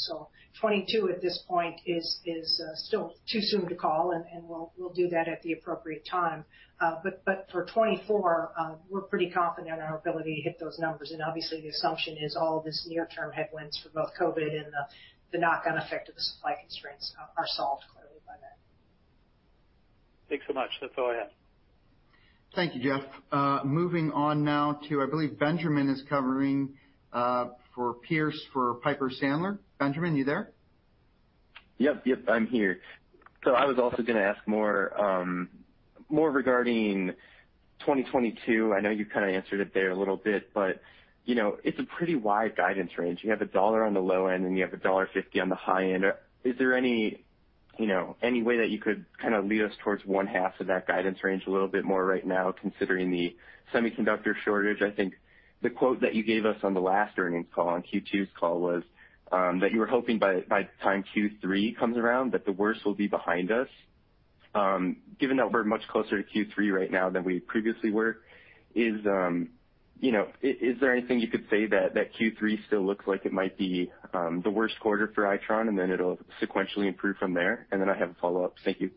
2022 at this point is still too soon to call, and we'll do that at the appropriate time. For 2024, we're pretty confident in our ability to hit those numbers. Obviously, the assumption is all of this near-term headwinds for both COVID and the knock-on effect of the supply constraints are solved clearly by then. Thanks so much. That's all I have. Thank you, Jeff. Moving on now to, I believe Benjamin is covering for Pearce for Piper Sandler. Benjamin, you there? Yep, I'm here. I was also going to ask more regarding 2022. I know you kind of answered it there a little bit. It's a pretty wide guidance range. You have $1.00 on the low end, and you have $1.50 on the high end. Is there any way that you could kind of lead us towards one half of that guidance range a little bit more right now, considering the semiconductor shortage? I think the quote that you gave us on the last earnings call, on Q2's call, was that you were hoping by the time Q3 comes around, that the worst will be behind us. Given that we're much closer to Q3 right now than we previously were, is there anything you could say that Q3 still looks like it might be the worst quarter for Itron, and then it'll sequentially improve from there? I have a follow-up. Thank you.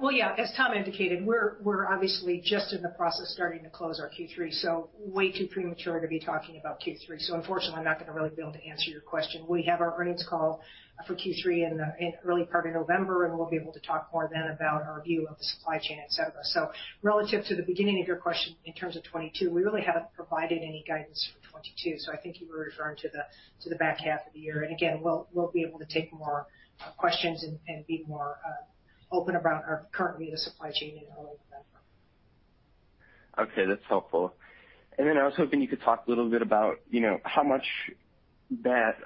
Well, yeah. As Tom indicated, we're obviously just in the process starting to close our Q3, so way too premature to be talking about Q3. Unfortunately, I'm not going to really be able to answer your question. We have our earnings call for Q3 in early part of November, and we'll be able to talk more then about our view of the supply chain, et cetera. Relative to the beginning of your question in terms of 2022, we really haven't provided any guidance for 2022. Again, we'll be able to take more questions and be more open about our current view of the supply chain and all of that. Okay, that's helpful. I was hoping you could talk a little bit about how much that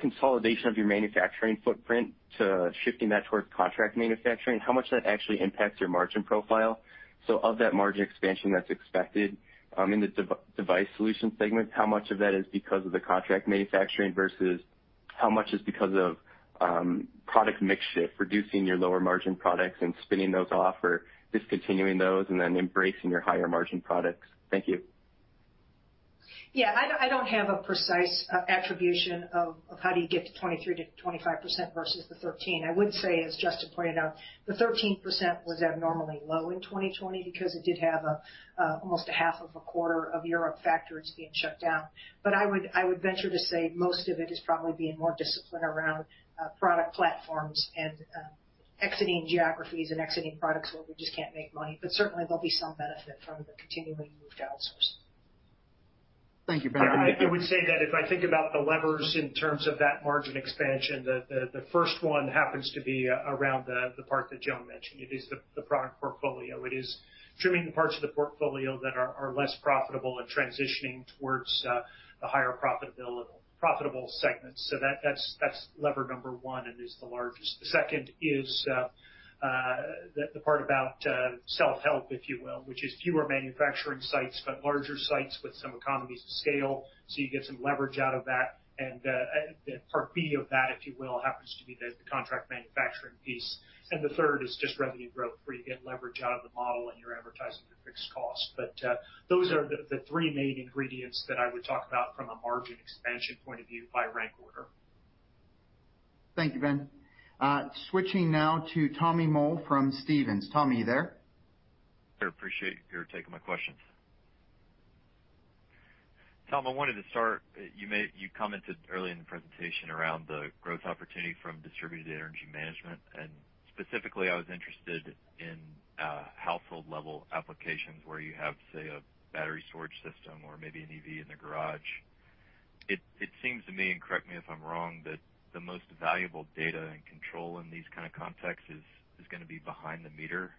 consolidation of your manufacturing footprint to shifting that towards contract manufacturing, how much that actually impacts your margin profile. Of that margin expansion that's expected in the Device Solutions segment, how much of that is because of the contract manufacturing versus how much is because of product mix shift, reducing your lower margin products and spinning those off, or discontinuing those and then embracing your higher margin products? Thank you. I don't have a precise attribution of how do you get to 23%-25% versus the 13%. I would say, as Justin pointed out, the 13% was abnormally low in 2020 because it did have almost a half of a quarter of Europe factories being shut down. I would venture to say most of it is probably being more disciplined around product platforms and exiting geographies and exiting products where we just can't make money. Certainly, there'll be some benefit from the continuing moved outsourcing. Thank you, Benjamin. I would say that if I think about the levers in terms of that margin expansion, the first one happens to be around the part that Joan mentioned. It is the product portfolio. It is trimming the parts of the portfolio that are less profitable and transitioning towards the higher profitable segments. That's lever number one and is the largest. The second is the part about self-help, if you will, which is fewer manufacturing sites, but larger sites with some economies of scale. You get some leverage out of that. Part B of that, if you will, happens to be the contract manufacturing piece. The third is just revenue growth, where you get leverage out of the model and you're advertising the fixed cost. Those are the three main ingredients that I would talk about from a margin expansion point of view by rank order. Thank you, Ben. Switching now to Tommy Moll from Stephens. Tommy, are you there? Sure. Appreciate you taking my questions. Tom, I wanted to start, you commented earlier in the presentation around the growth opportunity from distributed energy management, and specifically, I was interested in household-level applications where you have, say, a battery storage system or maybe an EV in the garage. It seems to me, and correct me if I'm wrong, that the most valuable data and control in these kind of contexts is going to be behind the meter.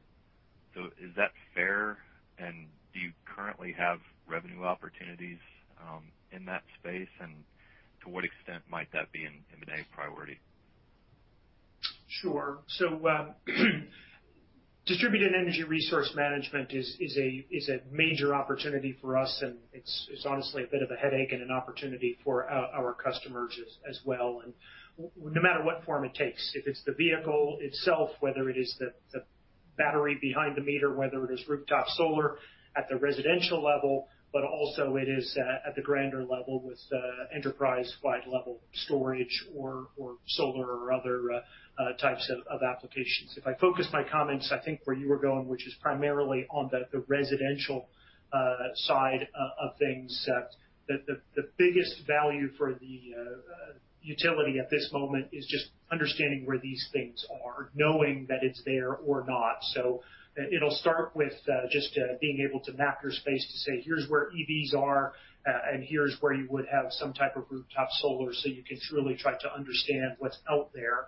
Is that fair? Do you currently have revenue opportunities in that space? To what extent might that be an M&A priority? Sure. Distributed energy resource management is a major opportunity for us, and it's honestly a bit of a headache and an opportunity for our customers as well. No matter what form it takes, if it's the vehicle itself, whether it is the battery behind the meter, whether it is rooftop solar at the residential level, but also it is at the grander level with enterprise-wide level storage or solar or other types of applications. If I focus my comments, I think where you were going, which is primarily on the residential side of things, the biggest value for the utility at this moment is just understanding where these things are, knowing that it's there or not. It'll start with just being able to map your space to say, "Here's where EVs are, and here's where you would have some type of rooftop solar," so you can truly try to understand what's out there.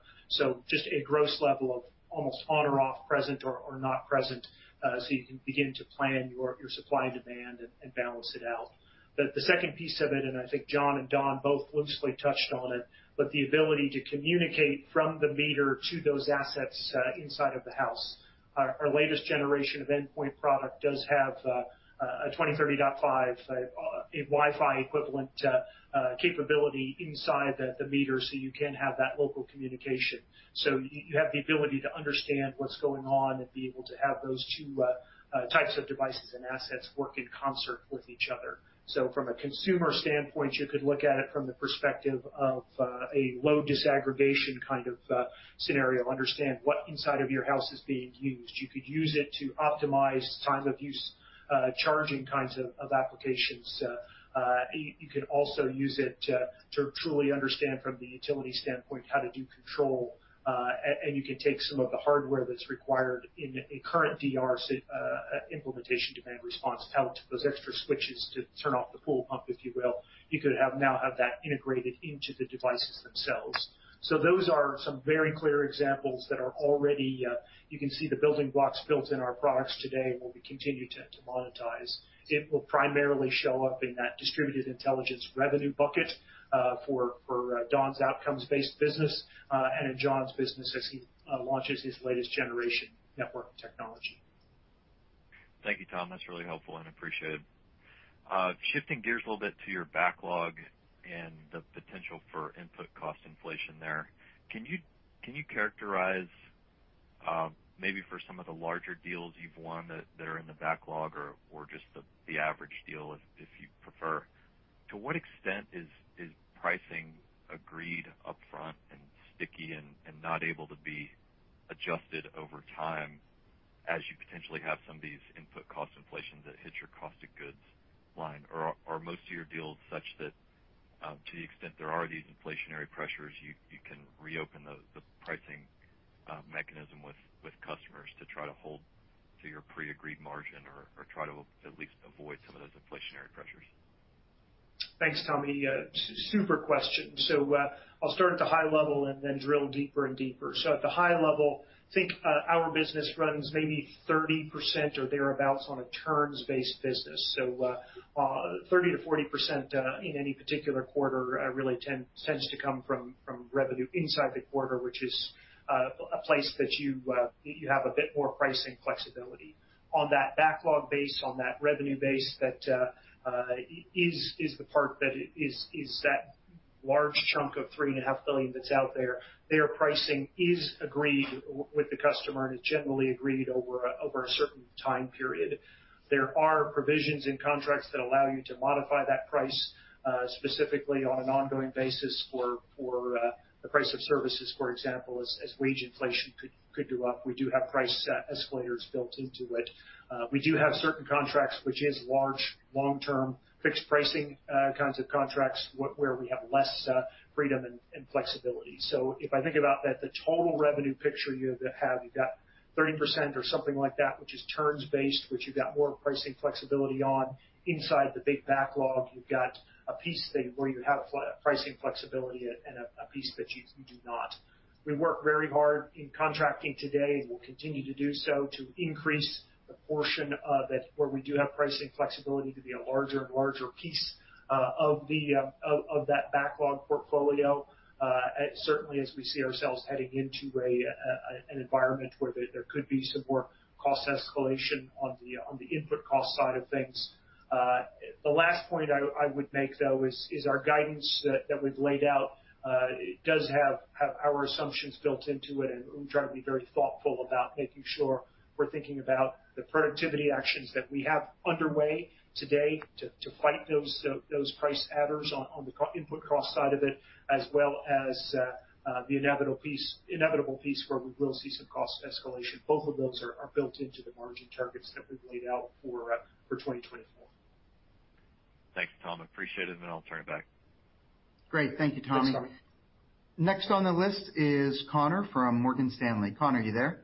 Just a gross level of almost on or off, present or not present, so you can begin to plan your supply and demand and balance it out. The second piece of it, and I think John and Don both loosely touched on it, but the ability to communicate from the meter to those assets inside of the house. Our latest generation of endpoint product does have a 2030.5, a Wi-Fi equivalent capability inside the meter, so you can have that local communication. You have the ability to understand what's going on and be able to have those two types of devices and assets work in concert with each other. From a consumer standpoint, you could look at it from the perspective of a load disaggregation kind of scenario. Understand what inside of your house is being used. You could use it to optimize time of use, charging kinds of applications. You could also use it to truly understand from the utility standpoint how to do control. You can take some of the hardware that's required in a current DR implementation demand response out to those extra switches to turn off the pool pump, if you will. You could now have that integrated into the devices themselves. Those are some very clear examples that are all ready. You can see the building blocks built in our products today, and we'll continue to monetize. It will primarily show up in that distributed intelligence revenue bucket for Don's outcomes-based business, and in John's business as he launches his latest generation network technology. Thank you, Tom. That's really helpful and appreciated. Shifting gears a little bit to your backlog and the potential for input cost inflation there. Can you characterize, maybe for some of the larger deals you've won that are in the backlog or just the average deal if you prefer, to what extent is pricing agreed upfront and sticky and not able to be adjusted over time as you potentially have some of these input cost inflations that hit your cost of goods line? Are most of your deals such that to the extent there are these inflationary pressures, you can reopen the pricing mechanism with customers to try to hold to your pre-agreed margin or try to at least avoid some of those inflationary pressures? Thanks, Tommy. Super question. I'll start at the high level and then drill deeper and deeper. At the high level, I think our business runs maybe 30% or thereabouts on a terms-based business. 30%-40% in any particular quarter really tends to come from revenue inside the quarter, which is a place that you have a bit more pricing flexibility. On that backlog base, on that revenue base, that is the part that is that large chunk of three and a half billion that's out there. Their pricing is agreed with the customer, and it's generally agreed over a certain time period. There are provisions in contracts that allow you to modify that price, specifically on an ongoing basis for the price of services. For example, as wage inflation could go up, we do have price escalators built into it. We do have certain contracts, which is large, long-term, fixed pricing kinds of contracts, where we have less freedom and flexibility. If I think about the total revenue picture you have, you've got 30% or something like that, which is terms-based, which you've got more pricing flexibility on. Inside the big backlog, you've got a piece there where you have pricing flexibility and a piece that you do not. We work very hard in contracting today and will continue to do so to increase the portion of it where we do have pricing flexibility to be a larger and larger piece of that backlog portfolio. Certainly, as we see ourselves heading into an environment where there could be some more cost escalation on the input cost side of things. The last point I would make, though, is our guidance that we've laid out. It does have our assumptions built into it. We try to be very thoughtful about making sure we're thinking about the productivity actions that we have underway today to fight those price adders on the input cost side of it, as well as the inevitable piece where we will see some cost escalation. Both of those are built into the margin targets that we've laid out for 2024. Thanks, Tom. Appreciate it, and I'll turn it back. Great. Thank you, Tommy. Yes. Next on the list is Connor from Morgan Stanley. Connor, are you there?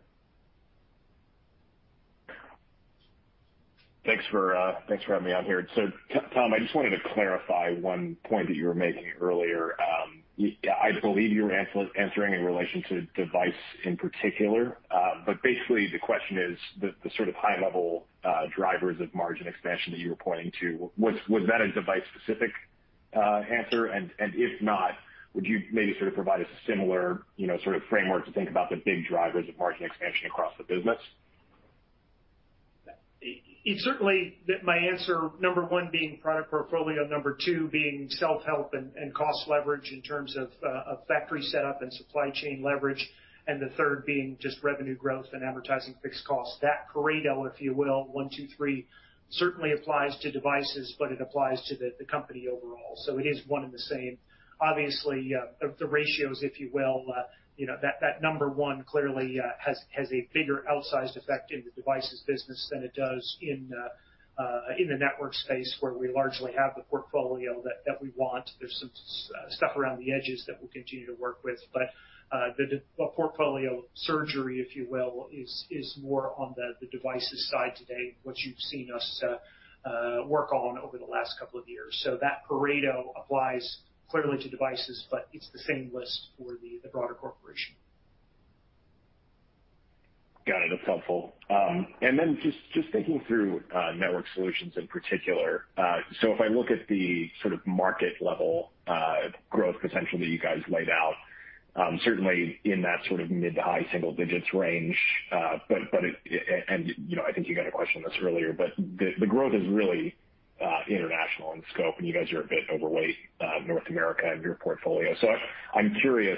Thanks for having me on here. Tom, I just wanted to clarify one point that you were making earlier. I believe you were answering in relation to device in particular. Basically, the question is the sort of high-level drivers of margin expansion that you were pointing to. Was that a device-specific answer? If not, would you maybe sort of provide a similar sort of framework to think about the big drivers of margin expansion across the business? It's certainly my answer, number one being product portfolio, number two being self-help and cost leverage in terms of factory setup and supply chain leverage, and the third being just revenue growth and absorbing fixed costs. That Pareto, if you will, one, two, three, certainly applies to devices, but it applies to the company overall. It is one and the same. Obviously, the ratios, if you will, that number one clearly has a bigger outsized effect in the devices business than it does in the network space, where we largely have the portfolio that we want. There's some stuff around the edges that we'll continue to work with, but the portfolio surgery, if you will, is more on the devices side today, what you've seen us work on over the last couple of years. That Pareto applies clearly to devices, but it's the same list for the broader corporation. Got it. That's helpful. Just thinking through Networked Solutions in particular. If I look at the sort of market level growth potential that you guys laid out, certainly in that sort of mid to high single-digits range, and I think you got a question on this earlier, but the growth is really international in scope, and you guys are a bit overweight North America in your portfolio. I'm curious,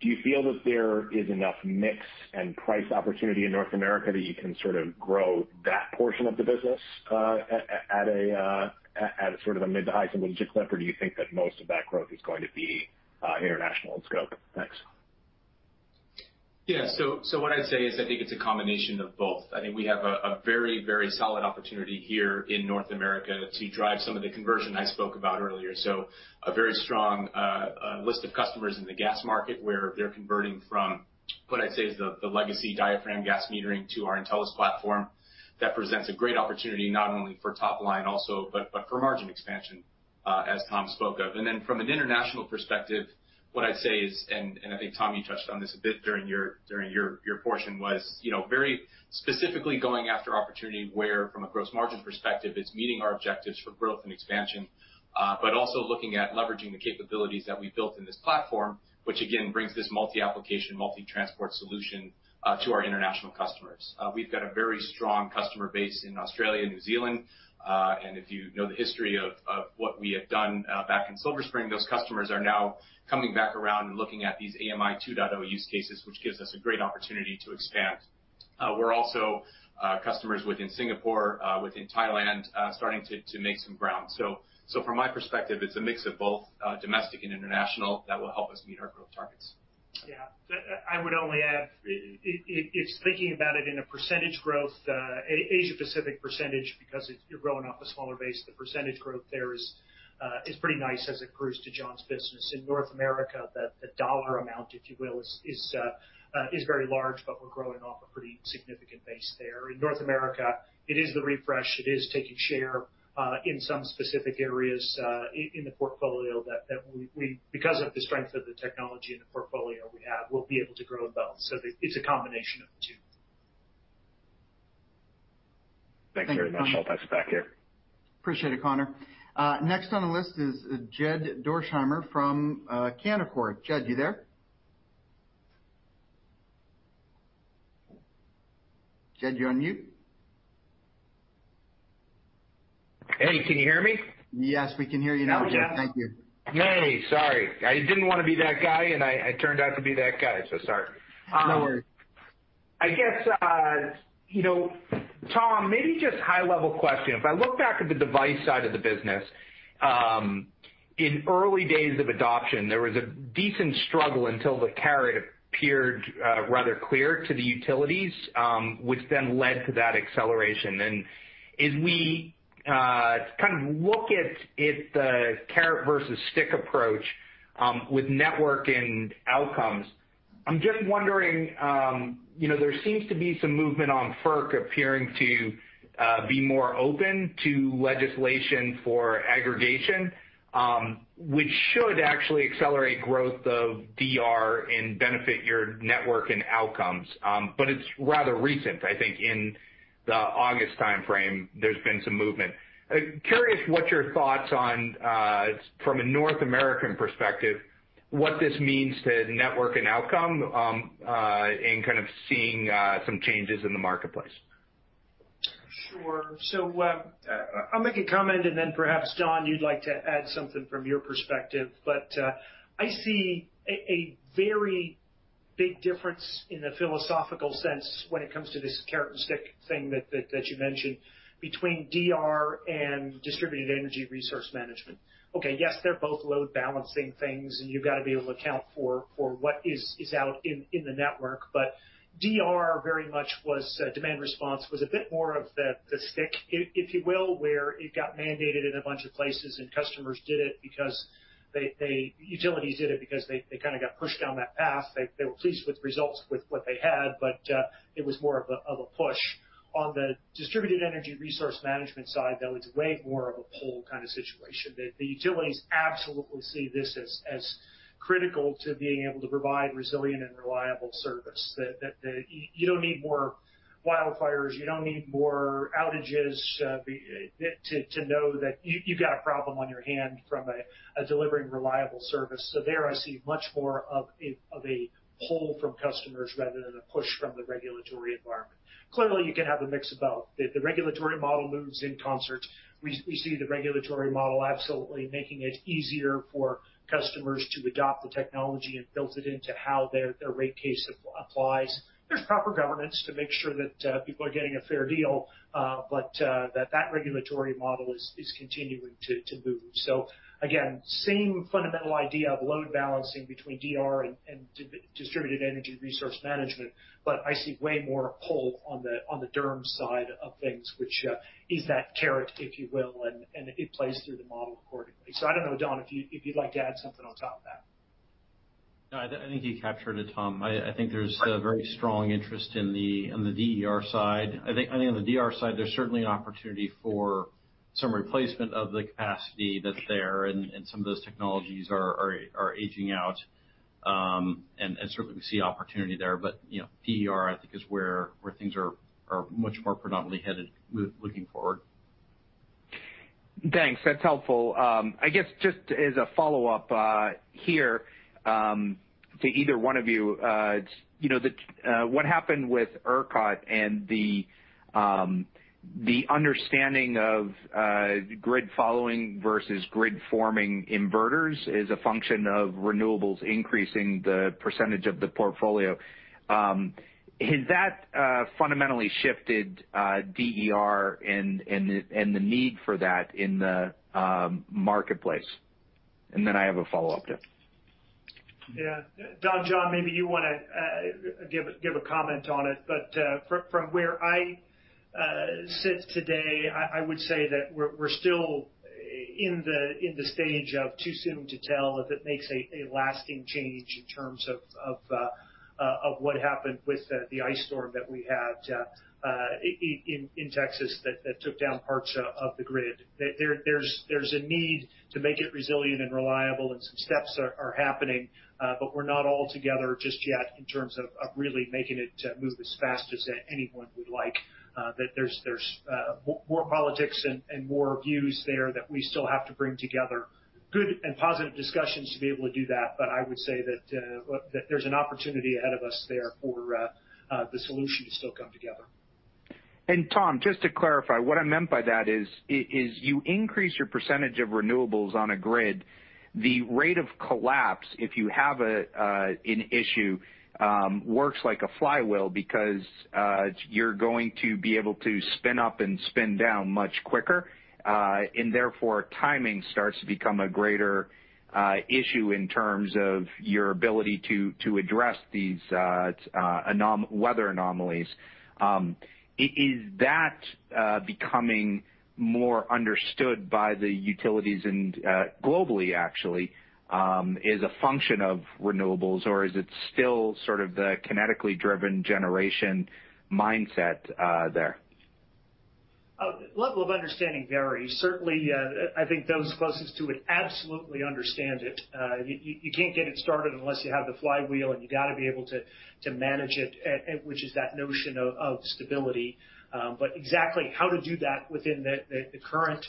do you feel that there is enough mix and price opportunity in North America that you can sort of grow that portion of the business at a sort of a mid to high single-digit clip, or do you think that most of that growth is going to be international in scope? Thanks. What I'd say is, I think it's a combination of both. I think we have a very solid opportunity here in North America to drive some of the conversion I spoke about earlier. A very strong list of customers in the gas market, where they're converting from what I'd say is the legacy diaphragm gas metering to our Intelis platform. That presents a great opportunity not only for top line also, but for margin expansion, as Tom spoke of. From an international perspective, what I'd say is, and I think, Tom, you touched on this a bit during your portion, was very specifically going after opportunity, where from a gross margin perspective, it's meeting our objectives for growth and expansion. Also looking at leveraging the capabilities that we built in this platform, which again, brings this multi-application, multi-transport solution to our international customers. We've got a very strong customer base in Australia, New Zealand. If you know the history of what we have done back in Silver Spring, those customers are now coming back around and looking at these AMI 2.0 use cases, which gives us a great opportunity to expand. We're also customers within Singapore, within Thailand, starting to make some ground. From my perspective, it's a mix of both domestic and international that will help us meet our growth targets. Yeah. I would only add, it's thinking about it in a percentage growth, Asia Pacific percentage, because you're growing off a smaller base, the percentage growth there is pretty nice as it accrues to John's business. In North America, the dollar amount, if you will, is very large, but we're growing off a pretty significant base there. In North America, it is the refresh. It is taking share in some specific areas in the portfolio that because of the strength of the technology in the portfolio we have, we'll be able to grow both. So it's a combination of the two. Thanks very much. I'll pass it back to you. Appreciate it, Connor. Next on the list is Jed Dorsheimer from Canaccord. Jed, you there? Jed, you're on mute. Hey, can you hear me? Yes, we can hear you now, Jed. Thank you. Hey, sorry. I didn't want to be that guy, and I turned out to be that guy, so sorry. No worries. I guess, Tom, maybe just high level question. If I look back at the Device side of the business, in early days of adoption, there was a decent struggle until the carrot appeared rather clear to the utilities, which then led to that acceleration. As we kind of look at the carrot versus stick approach with Network and Outcomes, I'm just wondering, there seems to be some movement on FERC appearing to be more open to legislation for aggregation, which should actually accelerate growth of DR and benefit your Network and Outcomes. But it's rather recent. I think in the August timeframe, there's been some movement. Curious what your thoughts on, from a North American perspective, what this means to Network and Outcome in kind of seeing some changes in the marketplace? Sure. I'll make a comment and then perhaps, John, you'd like to add something from your perspective. I see a very big difference in the philosophical sense when it comes to this carrot and stick thing that you mentioned between DR and distributed energy resource management. Okay, yes, they're both load balancing things and you've got to be able to account for what is out in the network. DR very much was, demand response, was a bit more of the stick, if you will, where it got mandated in a bunch of places and utilities did it because they kind of got pushed down that path. They were pleased with results with what they had, but it was more of a push. On the distributed energy resource management side, though, it's way more of a pull kind of situation. The utilities absolutely see this as critical to being able to provide resilient and reliable service. That you don't need more wildfires, you don't need more outages to know that you've got a problem on your hand from delivering reliable service. There I see much more of a pull from customers rather than a push from the regulatory environment. Clearly, you can have a mix of both. The regulatory model moves in concert. We see the regulatory model absolutely making it easier for customers to adopt the technology and build it into how their rate case applies. There's proper governance to make sure that people are getting a fair deal, but that regulatory model is continuing to move. Again, same fundamental idea of load balancing between DR and distributed energy resource management, but I see way more pull on the DERMS side of things, which is that carrot, if you will, and it plays through the model accordingly. I don't know, John, if you'd like to add something on top of that. I think you captured it, Tom. I think there's a very strong interest in the DER side. I think on the DR side, there's certainly an opportunity for some replacement of the capacity that's there, and some of those technologies are aging out. Certainly, we see opportunity there. DER, I think, is where things are much more predominantly headed looking forward. Thanks. That's helpful. I guess, just as a follow-up here to either one of you. What happened with ERCOT and the understanding of grid following versus grid-forming inverters is a function of renewables increasing the percentage of the portfolio. Has that fundamentally shifted DER and the need for that in the marketplace? Then I have a follow-up to it. Yeah. Don, John, maybe you want to give a comment on it. From where I sit today, I would say that we're still in the stage of too soon to tell if it makes a lasting change in terms of what happened with the ice storm that we had in Texas that took down parts of the grid. There's a need to make it resilient and reliable, and some steps are happening. We're not all together just yet in terms of really making it move as fast as anyone would like. There's more politics and more views there that we still have to bring together good and positive discussions to be able to do that. I would say that there's an opportunity ahead of us there for the solution to still come together. Tom, just to clarify, what I meant by that is you increase your percentage of renewables on a grid. The rate of collapse, if you have an issue, works like a flywheel because you're going to be able to spin up and spin down much quicker. Therefore, timing starts to become a greater issue in terms of your ability to address these weather anomalies. Is that becoming more understood by the utilities and globally, actually, as a function of renewables, or is it still sort of the kinetically driven generation mindset there? Level of understanding varies. Certainly, I think those closest to it absolutely understand it. You can't get it started unless you have the flywheel, and you got to be able to manage it, which is that notion of stability. Exactly how to do that within the current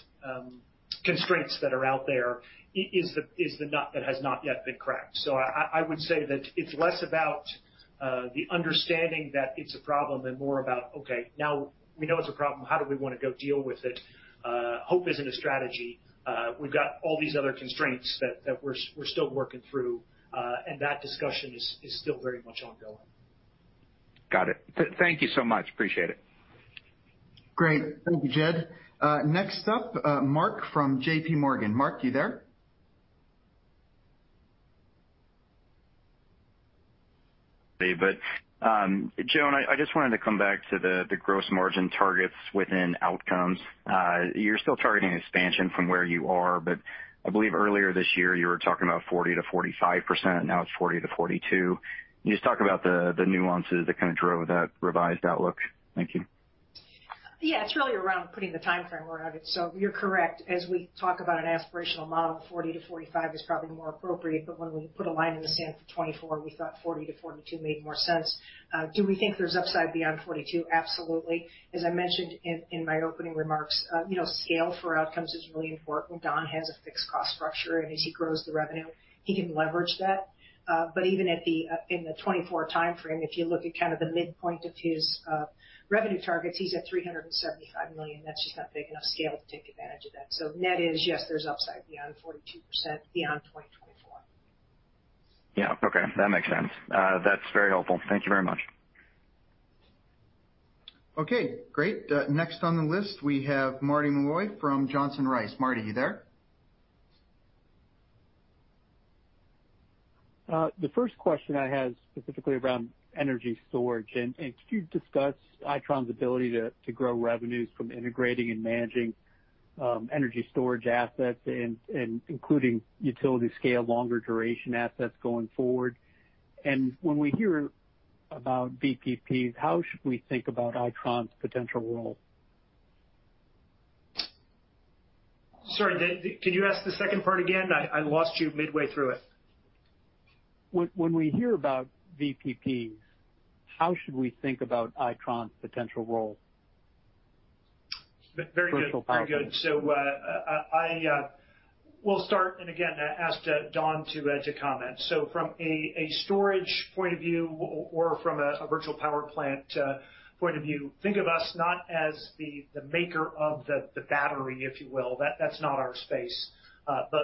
constraints that are out there is the nut that has not yet been cracked. I would say that it's less about the understanding that it's a problem and more about, okay, now we know it's a problem, how do we want to go deal with it? Hope isn't a strategy. We've got all these other constraints that we're still working through. That discussion is still very much ongoing. Got it. Thank you so much. Appreciate it. Great. Thank you, Jed. Next up, Mark from JPMorgan. Mark, you there? Joan, I just wanted to come back to the gross margin targets within Outcomes. You're still targeting expansion from where you are, but I believe earlier this year, you were talking about 40%-45%, and now it's 40%-42%. Can you just talk about the nuances that kind of drove that revised outlook? Thank you. Yeah. It's really around putting the timeframe around it. You're correct. As we talk about an aspirational model, 40%-45% is probably more appropriate. When we put a line in the sand for 2024, we thought 40%-42% made more sense. Do we think there's upside beyond 42%? Absolutely. As I mentioned in my opening remarks, scale for Outcomes is really important. Don has a fixed cost structure, and as he grows the revenue, he can leverage that. Even in the 2024 timeframe, if you look at kind of the midpoint of his revenue targets, he's at $375 million. That's just not big enough scale to take advantage of that. Net is, yes, there's upside beyond 42% beyond 2024. Yeah. Okay. That makes sense. That's very helpful. Thank you very much. Okay, great. Next on the list, we have Marty Malloy from Johnson Rice. Marty, you there? The first question I had is specifically around energy storage. Could you discuss Itron's ability to grow revenues from integrating and managing energy storage assets and including utility scale, longer duration assets going forward? When we hear about VPPs, how should we think about Itron's potential role? Sorry, could you ask the second part again? I lost you midway through it. When we hear about VPPs, how should we think about Itron's potential role? Very good. Virtual power plants. Very good. We'll start and again, ask Don to comment. From a storage point of view or from a Virtual Power Plant point of view, think of us not as the maker of the battery, if you will. That's not our space.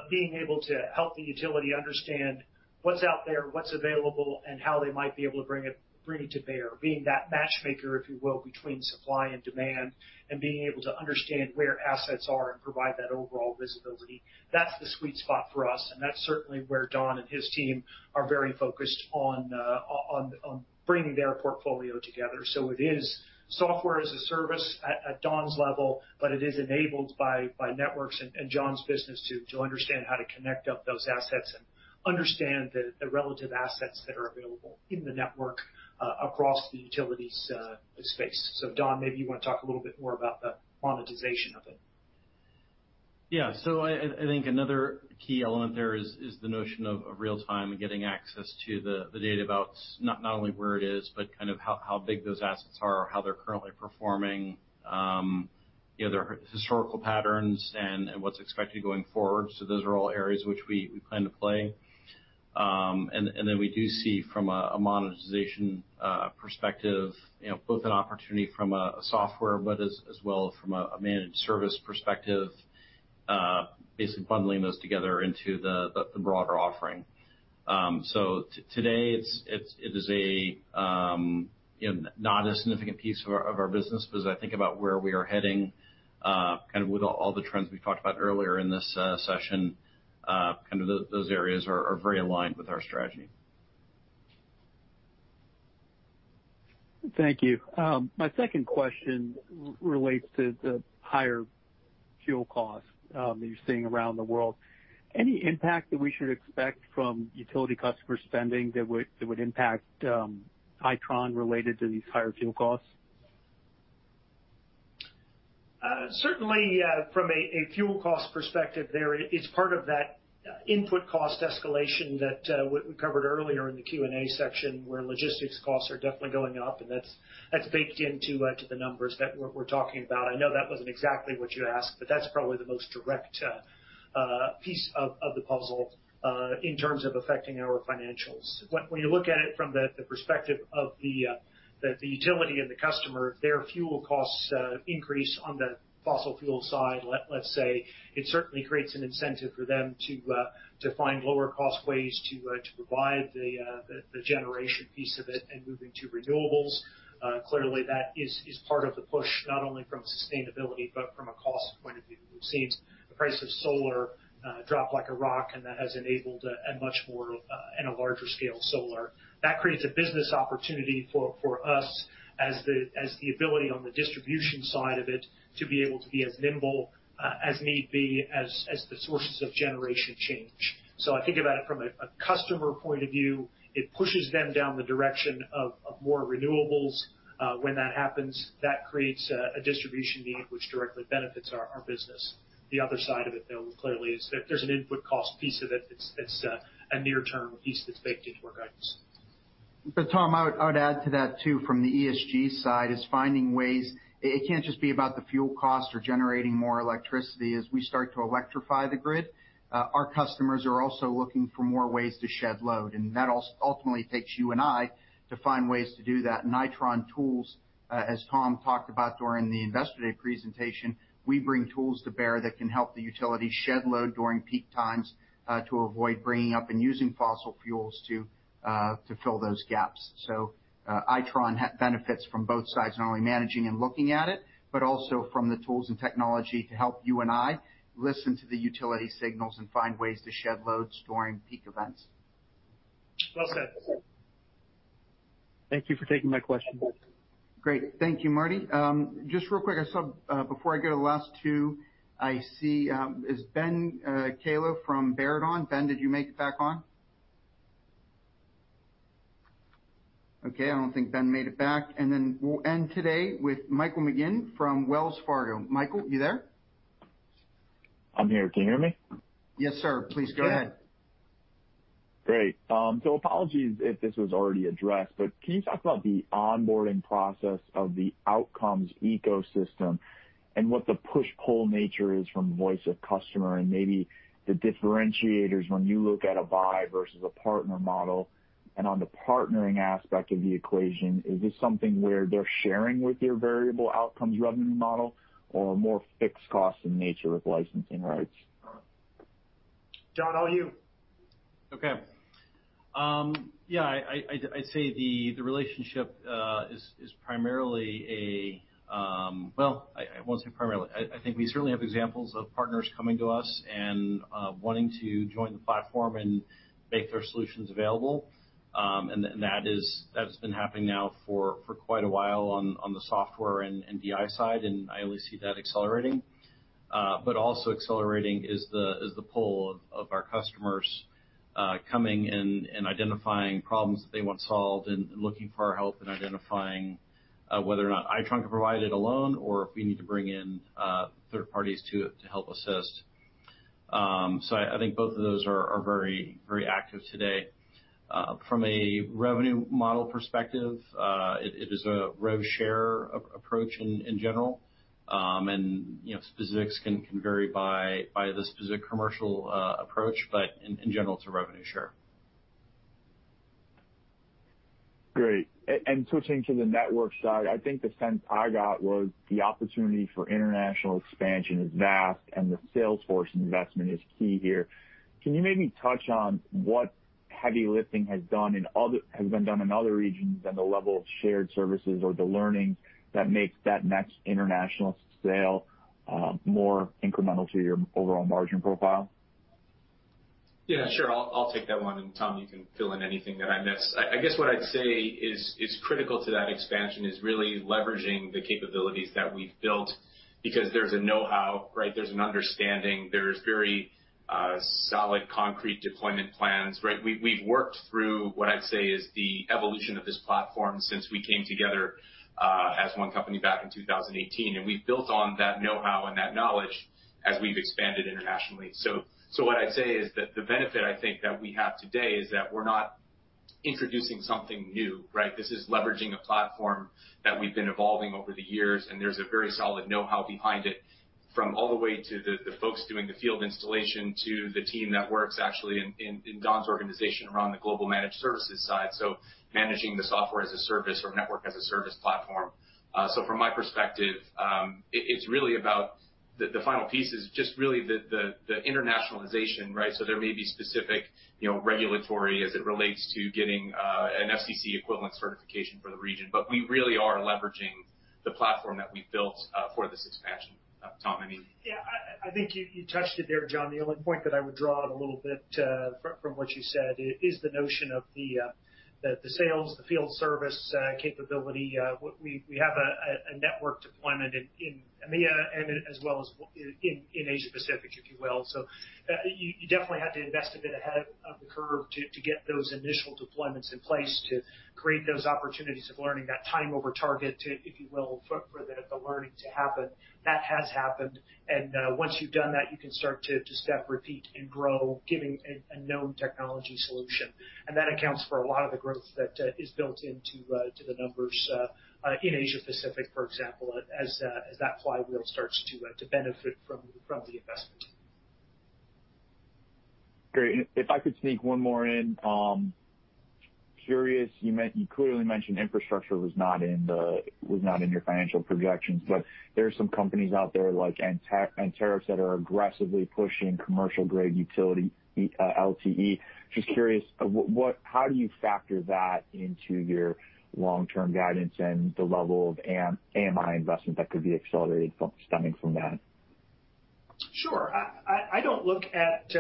Being able to help the utility understand what's out there, what's available, and how they might be able to bring it to bear. Being that matchmaker, if you will, between supply and demand, and being able to understand where assets are and provide that overall visibility. That's the sweet spot for us, and that's certainly where Don and his team are very focused on bringing their portfolio together. It is software as a service at Don's level, but it is enabled by networks and John's business to understand how to connect up those assets and understand the relative assets that are available in the network across the utilities space. Don, maybe you want to talk a little bit more about the monetization of it. Yeah. I think another key element there is the notion of real-time and getting access to the data about not only where it is, but how big those assets are or how they're currently performing, their historical patterns and what's expected going forward. Those are all areas which we plan to play. We do see from a monetization perspective, both an opportunity from a software lens as well from a managed service perspective, basically bundling those together into the broader offering. Today, it is not a significant piece of our business because I think about where we are heading, with all the trends we talked about earlier in this session, those areas are very aligned with our strategy. Thank you. My second question relates to the higher fuel costs that you're seeing around the world. Any impact that we should expect from utility customer spending that would impact Itron related to these higher fuel costs? Certainly, from a fuel cost perspective, there is part of that input cost escalation that we covered earlier in the Q&A section, where logistics costs are definitely going up, and that's baked into the numbers that we're talking about. I know that wasn't exactly what you asked, but that's probably the most direct piece of the puzzle, in terms of affecting our financials. When you look at it from the perspective of the utility and the customer, their fuel costs increase on the fossil fuel side, let's say. It certainly creates an incentive for them to find lower-cost ways to provide the generation piece of it and moving to renewables. Clearly, that is part of the push, not only from a sustainability but from a cost point of view. We've seen the price of solar drop like a rock. That has enabled a much more and a larger scale of solar. That creates a business opportunity for us as the ability on the distribution side of it to be able to be as nimble as need be, as the sources of generation change. I think about it from a customer point of view. It pushes them down the direction of more renewables. When that happens, that creates a distribution need, which directly benefits our business. The other side of it, though, clearly, is that there's an input cost piece of it that's a near-term piece that's baked into our guidance. Tom, I would add to that, too, from the ESG side, is finding ways. It can't just be about the fuel cost or generating more electricity. As we start to electrify the grid, our customers are also looking for more ways to shed load, and that ultimately takes you and I to find ways to do that. Itron tools, as Tom talked about during the Investor Day presentation, we bring tools to bear that can help the utility shed load during peak times, to avoid bringing up and using fossil fuels to fill those gaps. Itron benefits from both sides, not only managing and looking at it, but also from the tools and technology to help you and I listen to the utility signals and find ways to shed loads during peak events. Well said. Thank you for taking my question. Great. Thank you, Marty. Just real quick, I saw, before I go to the last two, I see, is Ben Kallo from Baird on? Ben, did you make it back on? Okay, I don't think Ben made it back. We'll end today with Michael McGinn from Wells Fargo. Michael, you there? I'm here. Can you hear me? Yes, sir. Please go ahead. Great. Apologies if this was already addressed, but can you talk about the onboarding process of the outcomes ecosystem and what the push-pull nature is from voice of customer and maybe the differentiators when you look at a buy versus a partner model? On the partnering aspect of the equation, is this something where they're sharing with your variable outcomes revenue model or more fixed cost in nature with licensing rights? Don, all you. Okay. Yeah, I'd say the relationship is primarily, I won't say primarily. I think we certainly have examples of partners coming to us and wanting to join the platform and make their solutions available, and that's been happening now for quite a while on the software and DI side, and I only see that accelerating. Also accelerating is the pull of our customers coming and identifying problems that they want solved and looking for our help in identifying whether or not Itron can provide it alone or if we need to bring in third parties to help assist. I think both of those are very active today. From a revenue model perspective, it is a rev share approach in general. Specifics can vary by the specific commercial approach, but in general, it's a revenue share. Great. Switching to the network side, I think the sense I got was the opportunity for international expansion is vast, and the sales force investment is key here. Can you maybe touch on what heavy lifting has been done in other regions and the level of shared services or the learnings that makes that next international sale more incremental to your overall margin profile? Yeah, sure. I'll take that one. Tom, you can fill in anything that I miss. I guess what I'd say is critical to that expansion is really leveraging the capabilities that we've built because there's a knowhow, right? There's an understanding. Solid concrete deployment plans, right? We've worked through what I'd say is the evolution of this platform since we came together as one company back in 2018. We've built on that know-how and that knowledge as we've expanded internationally. What I'd say is that the benefit I think that we have today is that we're not introducing something new, right? This is leveraging a platform that we've been evolving over the years, and there's a very solid know-how behind it, from all the way to the folks doing the field installation to the team that works actually in Don's organization around the global managed services side, so managing the software as a service or network as a service platform. From my perspective, it's really about the final pieces, just really the internationalization, right? There may be specific regulatory as it relates to getting an FCC equivalent certification for the region. We really are leveraging the platform that we've built for this expansion. Tom, any? I think you touched it there, John. The only point that I would draw on a little bit from what you said is the notion of the sales, the field service capability. We have a network deployment in EMEA as well as in Asia Pacific, if you will. You definitely have to invest a bit ahead of the curve to get those initial deployments in place, to create those opportunities of learning, that time over target, if you will, for the learning to happen. That has happened, once you've done that, you can start to step, repeat, and grow, giving a known technology solution. That accounts for a lot of the growth that is built into the numbers in Asia Pacific, for example, as that flywheel starts to benefit from the investment. Great. If I could sneak one more in. Curious, you clearly mentioned infrastructure was not in your financial projections, but there are some companies out there like Anterix that are aggressively pushing commercial-grade utility LTE. Just curious, how do you factor that into your long-term guidance and the level of AMI investment that could be accelerated stemming from that? Sure. I don't look at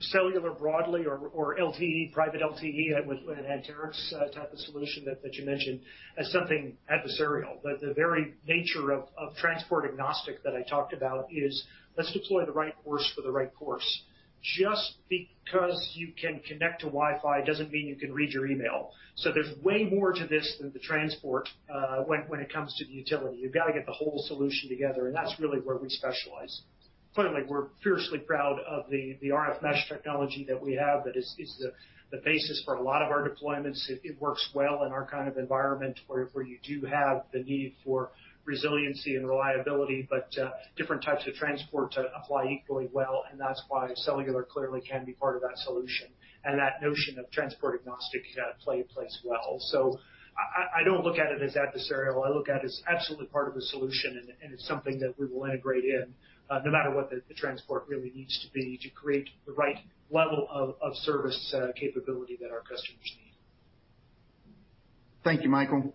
cellular broadly or LTE, private LTE with Anterix type of solution that you mentioned as something adversarial. The very nature of transport agnostic that I talked about is, let's deploy the right horse for the right course. Just because you can connect to Wi-Fi doesn't mean you can read your email. There's way more to this than the transport when it comes to the utility. You've got to get the whole solution together, and that's really where we specialize. Clearly, we're fiercely proud of the RF mesh technology that we have that is the basis for a lot of our deployments. It works well in our kind of environment where you do have the need for resiliency and reliability, but different types of transport apply equally well, and that's why cellular clearly can be part of that solution. That notion of transport agnostic plays well. I don't look at it as adversarial. I look at it as absolutely part of the solution, and it's something that we will integrate in, no matter what the transport really needs to be to create the right level of service capability that our customers need. Thank you, Michael.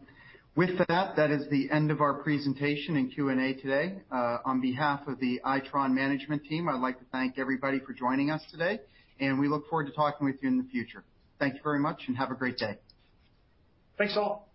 With that is the end of our presentation and Q&A today. On behalf of the Itron management team, I'd like to thank everybody for joining us today, and we look forward to talking with you in the future. Thank you very much and have a great day. Thanks all.